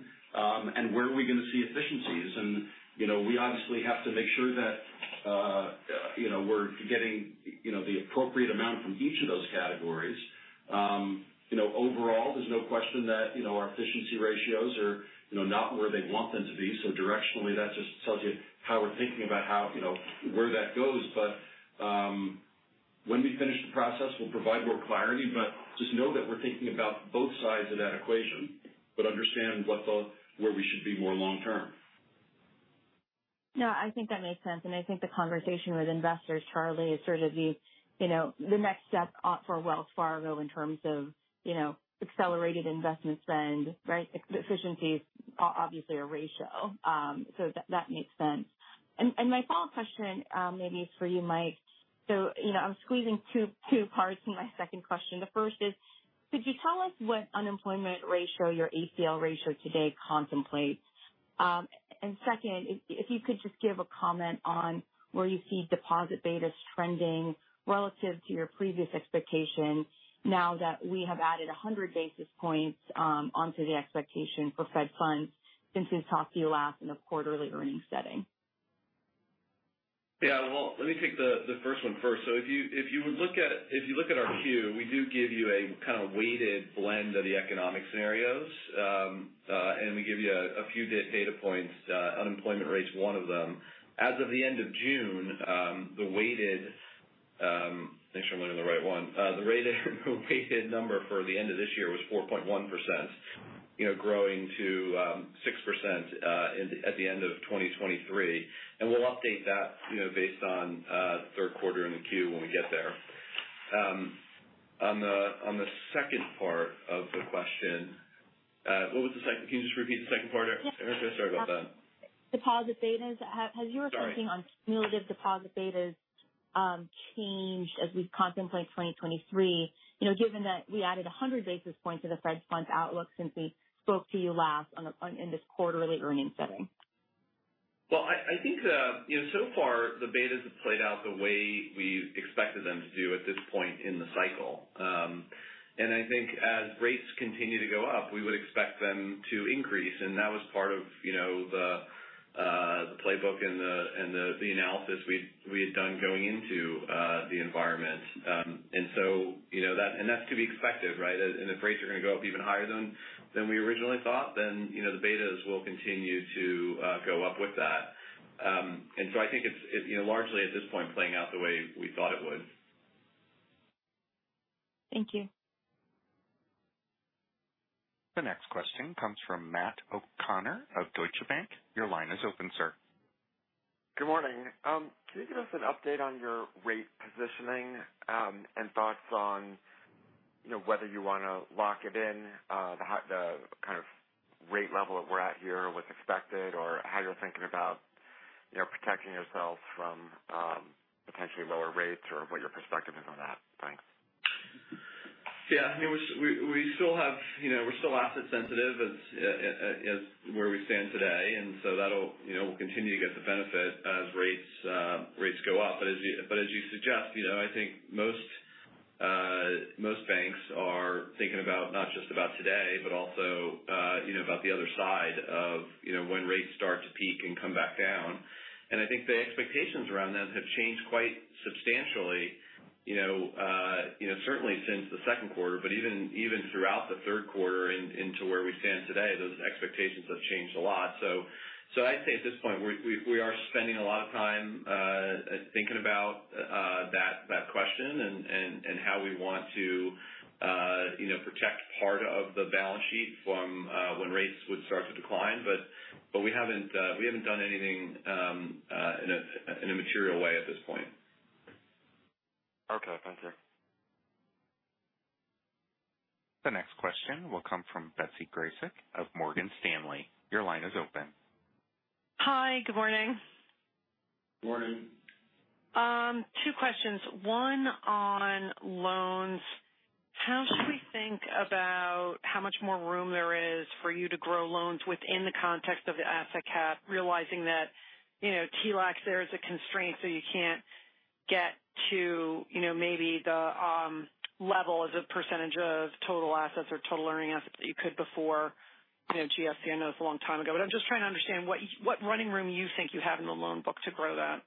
and where are we gonna see efficiencies? You know, we obviously have to make sure that, you know, we're getting, you know, the appropriate amount from each of those categories. You know, overall, there's no question that, you know, our efficiency ratios are, you know, not where they want them to be. Directionally, that just tells you how we're thinking about how, you know, where that goes. When we finish the process, we'll provide more clarity, but just know that we're thinking about both sides of that equation, but understand what the, where we should be more long term. No, I think that makes sense. I think the conversation with investors, Charlie, is sort of the, you know, the next step for Wells Fargo in terms of, you know, accelerated investment spend, right? Efficiencies are obviously a ratio. That makes sense. My follow-up question maybe is for you, Mike. You know, I'm squeezing two parts in my second question. The first is, could you tell us what unemployment rate your ACL ratio today contemplates? Second, if you could just give a comment on where you see deposit betas trending relative to your previous expectation now that we have added 100 basis points onto the expectation for Fed Funds since we talked to you last in a quarterly earnings setting. Yeah. Well, let me take the first one first. If you look at our view, we do give you a kind of weighted blend of the economic scenarios. We give you a few data points, unemployment rate's one of them. As of the end of June, the weighted number for the end of this year was 4.1%. You know, growing to 6% at the end of 2023. We'll update that, you know, based on 3rd quarter in the Q when we get there. On the second part of the question, what was the second? Can you just repeat the second part, Erika? Sorry about that. Deposit betas. Sorry. Has your thinking on cumulative deposit betas changed as we've contemplated 2023? You know, given that we added 100 basis points to the Fed funds outlook since we spoke to you last in this quarterly earnings setting. Well, I think you know, so far the betas have played out the way we expected them to do at this point in the cycle. I think as rates continue to go up, we would expect them to increase. That was part of you know, the playbook and the analysis we had done going into the environment. You know, that's to be expected, right? If rates are gonna go up even higher than we originally thought, then you know, the betas will continue to go up with that. I think it's you know, largely at this point playing out the way we thought it would. Thank you. The next question comes from Matt O'Connor of Deutsche Bank. Your line is open, sir. Good morning. Can you give us an update on your rate positioning and thoughts on, you know, whether you wanna lock it in, the kind of rate level that we're at here with expected or how you're thinking about, you know, protecting yourself from potentially lower rates or what your perspective is on that? Thanks. Yeah. I mean, we still have, you know, we're still asset sensitive as where we stand today, and so that'll, you know, we'll continue to get the benefit as rates go up. As you suggest, you know, I think most banks are thinking about not just about today, but also, you know, about the other side of, you know, when rates start to peak and come back down. I think the expectations around that have changed quite substantially, you know, you know, certainly since the 2nd quarter. Even throughout the 3rd quarter and into where we stand today, those expectations have changed a lot. I'd say at this point, we are spending a lot of time thinking about that question and how we want to, you know, protect part of the balance sheet from when rates would start to decline. We haven't done anything in a material way at this point. Okay. Thank you. The next question will come from Betsy Graseck of Morgan Stanley. Your line is open. Hi. Good morning. Morning. Two questions. One on loans. How should we think about how much more room there is for you to grow loans within the context of the asset cap, realizing that, you know, TLACs there is a constraint, so you can't get to, you know, maybe the level as a percentage of total assets or total earning assets that you could before, you know, GFC. I know that's a long time ago, but I'm just trying to understand what running room you think you have in the loan book to grow that.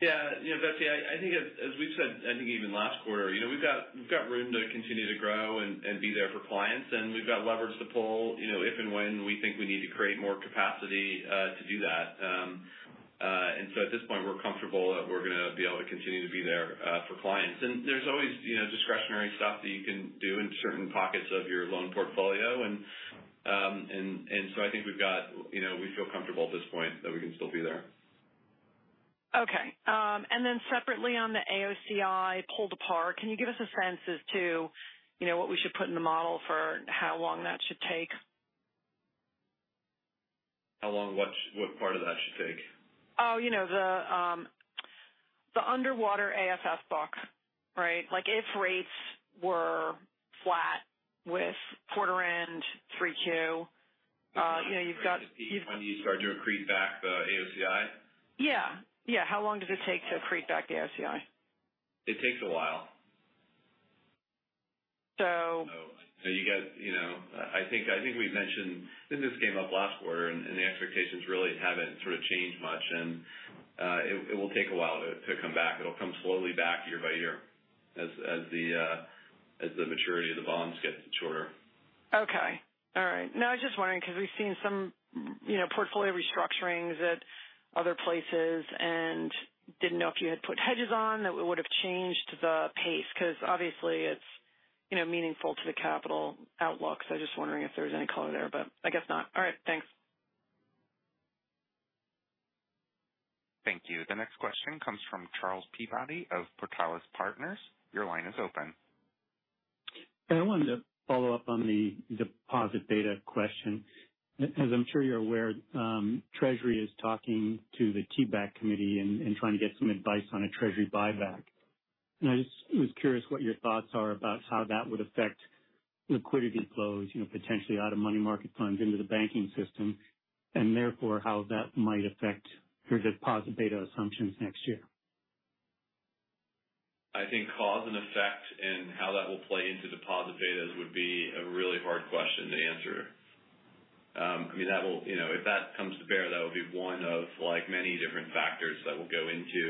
Yeah. You know, Betsy, I think as we've said, I think even last quarter, you know, we've got room to continue to grow and be there for clients, and we've got leverage to pull, you know, if and when we think we need to create more capacity to do that. At this point we're comfortable that we're gonna be able to continue to be there for clients. There's always, you know, discretionary stuff that you can do in certain pockets of your loan portfolio. I think we've got, you know, we feel comfortable at this point that we can still be there. Okay. Separately on the AOCI pull to par, can you give us a sense as to, you know, what we should put in the model for how long that should take? How long what part of that should take? Oh, you know, the underwater AFS box, right? Like, if rates were flat with quarter end 3Q, you know, you've got- When you start to accrete back the AOCI? Yeah. How long does it take to accrete back the AOCI? It takes a while. So- You got, you know, I think we've mentioned, and this came up last quarter, and the expectations really haven't sort of changed much. It will take a while to come back. It'll come slowly back year by year as the maturity of the volumes gets shorter. Okay. All right. No, I was just wondering 'cause we've seen some, you know, portfolio restructurings at other places and didn't know if you had put hedges on that would've changed the pace. 'Cause obviously it's, you know, meaningful to the capital outlook. I was just wondering if there was any color there, but I guess not. All right. Thanks. Thank you. The next question comes from Charles Peabody of Portales Partners. Your line is open. I wanted to follow up on the deposit data question. As I'm sure you're aware, Treasury is talking to the TBAC committee and trying to get some advice on a Treasury buyback. I just was curious what your thoughts are about how that would affect liquidity flows, you know, potentially out of money market funds into the banking system, and therefore how that might affect your deposit beta assumptions next year. I think cause and effect and how that will play into deposit betas would be a really hard question to answer. I mean, that will, you know, if that comes to bear, that would be one of, like, many different factors that will go into,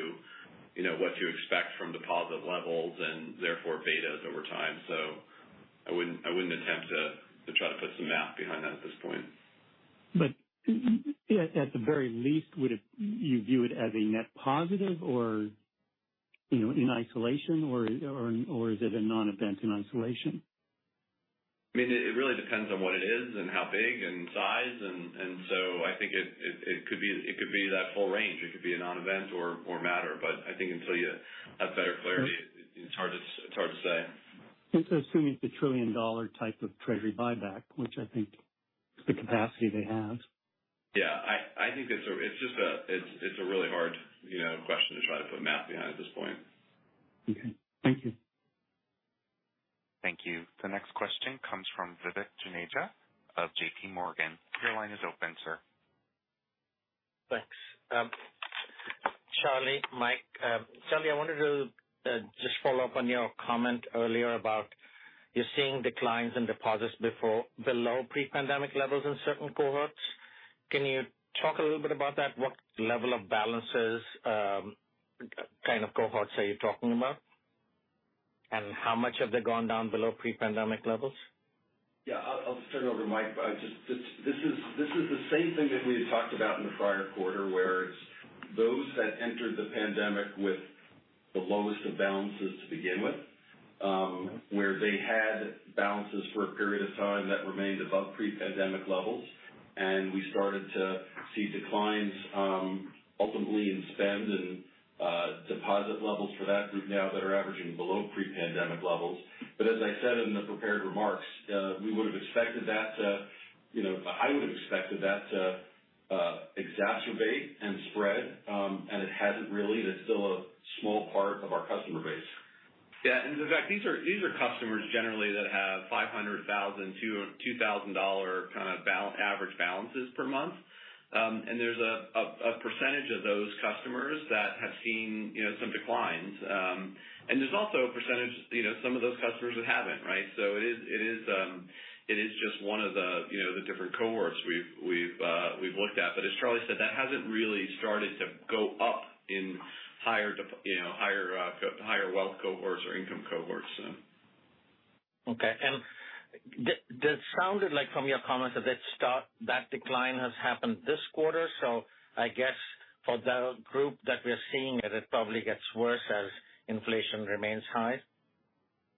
you know, what to expect from deposit levels and therefore betas over time. I wouldn't attempt to try to put some math behind that at this point. At the very least, would you view it as a net positive or? You know, in isolation or is it a non-event in isolation? I mean, it really depends on what it is and how big and size. I think it could be that full range. It could be a non-event or matter. I think until you have better clarity, it's hard to say. Assuming it's a $1 trillion type of Treasury buyback, which I think is the capacity they have. Yeah. I think it's just a really hard, you know, question to try to put math behind at this point. Okay. Thank you. Thank you. The next question comes from Vivek Juneja of J.P. Morgan. Your line is open, sir. Thanks. Charlie, Mike. Charlie, I wanted to just follow up on your comment earlier about you're seeing declines in deposits to below pre-pandemic levels in certain cohorts. Can you talk a little bit about that? What level of balances, kind of cohorts are you talking about? And how much have they gone down below pre-pandemic levels? Yeah. I'll turn it over to Mike. Just, this is the same thing that we had talked about in the prior quarter, where it's those that entered the pandemic with the lowest of balances to begin with, where they had balances for a period of time that remained above pre-pandemic levels. We started to see declines, ultimately in spend and deposit levels for that group now that are averaging below pre-pandemic levels. As I said in the prepared remarks, we would have expected that to, you know, I would have expected that to exacerbate and spread. It hasn't really. It's still a small part of our customer base. Yeah. Vivek, these are customers generally that have $500,000-$2 million kind of average balances per month. And there's a percentage of those customers that have seen, you know, some declines. And there's also a percentage, you know, some of those customers that haven't, right? It is just one of the, you know, the different cohorts we've looked at. As Charlie said, that hasn't really started to go up in higher wealth cohorts or income cohorts. Okay. That sounded like, from your comments, that decline has happened this quarter. I guess for that group that we are seeing it probably gets worse as inflation remains high.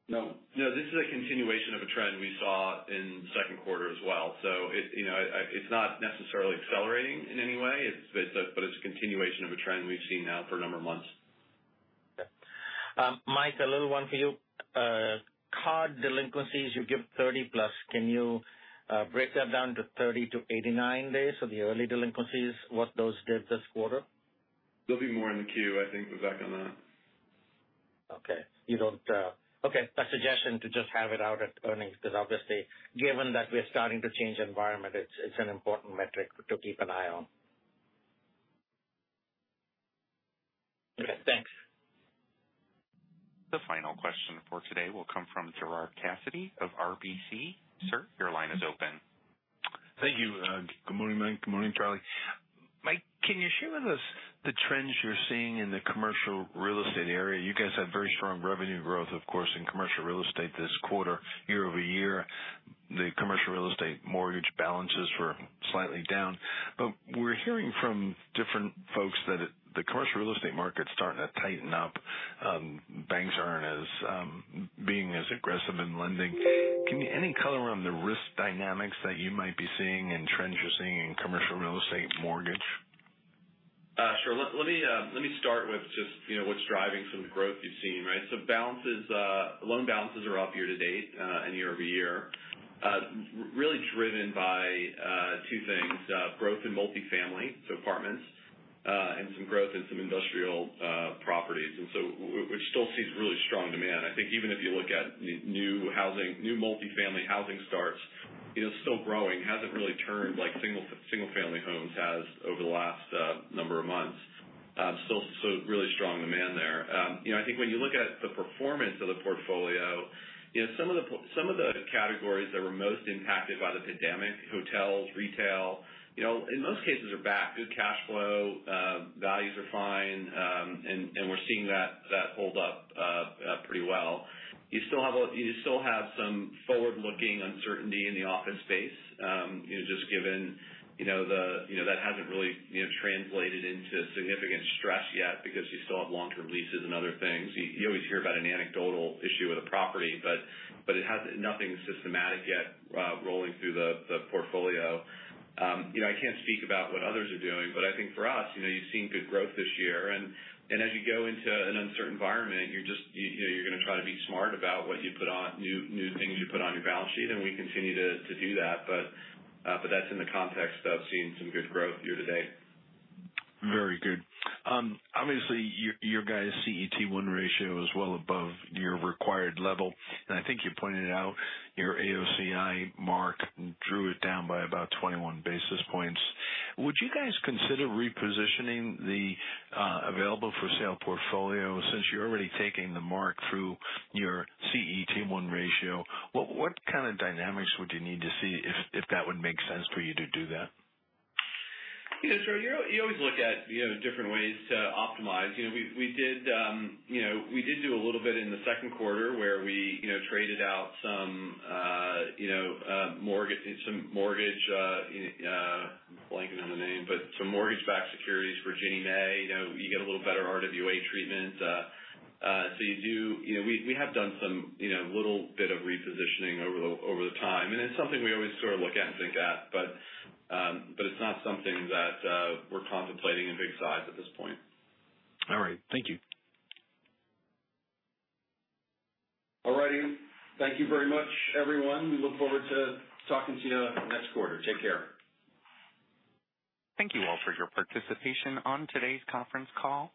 No, this is a continuation of a trend we saw in the 2nd quarter as well. You know, it's not necessarily accelerating in any way. It's a continuation of a trend we've seen now for a number of months. Okay. Mike, a little one for you. Card delinquencies, you give 30+. Can you break that down to 30-89 days? The early delinquencies, what those did this quarter? There'll be more in the queue, I think, Vivek, on that. Okay. Okay. A suggestion to just have it out at earnings, because obviously, given that we're starting to change environment, it's an important metric to keep an eye on. Okay, thanks. The final question for today will come from Gerard Cassidy of RBC. Sir, your line is open. Thank you. Good morning, Mike. Good morning, Charlie. Mike, can you share with us the trends you're seeing in the commercial real estate area? You guys have very strong revenue growth, of course, in commercial real estate this quarter. Year-over-year, the commercial real estate mortgage balances were slightly down. We're hearing from different folks that the commercial real estate market is starting to tighten up. Banks aren't being as aggressive in lending. Give me any color around the risk dynamics that you might be seeing and trends you're seeing in commercial real estate mortgage. Sure. Let me start with just, you know, what's driving some of the growth you've seen, right? Loan balances are up year-to-date and year-over-year. Really driven by two things, growth in multifamily, so apartments, and some growth in some industrial properties. We still see really strong demand. I think even if you look at new housing, new multifamily housing starts, it is still growing. Hasn't really turned like single-family homes has over the last number of months. Really strong demand there. You know, I think when you look at the performance of the portfolio, you know, some of the categories that were most impacted by the pandemic, hotels, retail, you know, in most cases are back. Good cash flow, values are fine. We're seeing that hold up pretty well. You still have some forward-looking uncertainty in the office space, you know, just given, you know, the, you know, that hasn't really, you know, translated into significant stress yet because you still have long-term leases and other things. You always hear about an anecdotal issue with a property, but it has nothing systematic yet, rolling through the portfolio. You know, I can't speak about what others are doing, but I think for us, you know, you've seen good growth this year. As you go into an uncertain environment, you're just, you know, you're going to try to be smart about what you put on new things you put on your balance sheet, and we continue to do that. That's in the context of seeing some good growth year to date. Very good. Obviously, your guys' CET1 ratio is well above your required level. I think you pointed out your AOCI mark drew it down by about 21 basis points. Would you guys consider repositioning the available for sale portfolio since you're already taking the mark through your CET1 ratio? What kind of dynamics would you need to see if that would make sense for you to do that? You know, sure. You always look at, you know, different ways to optimize. You know, we did do a little bit in the 2nd quarter where we, you know, traded out some mortgage-backed securities for Ginnie Mae. You know, you get a little better RWA treatment. So you do. You know, we have done some little bit of repositioning over the time. It's something we always sort of look at and think at. It's not something that we're contemplating in big size at this point. All right. Thank you. All righty. Thank you very much, everyone. We look forward to talking to you next quarter. Take care. Thank you all for your participation on today's conference call.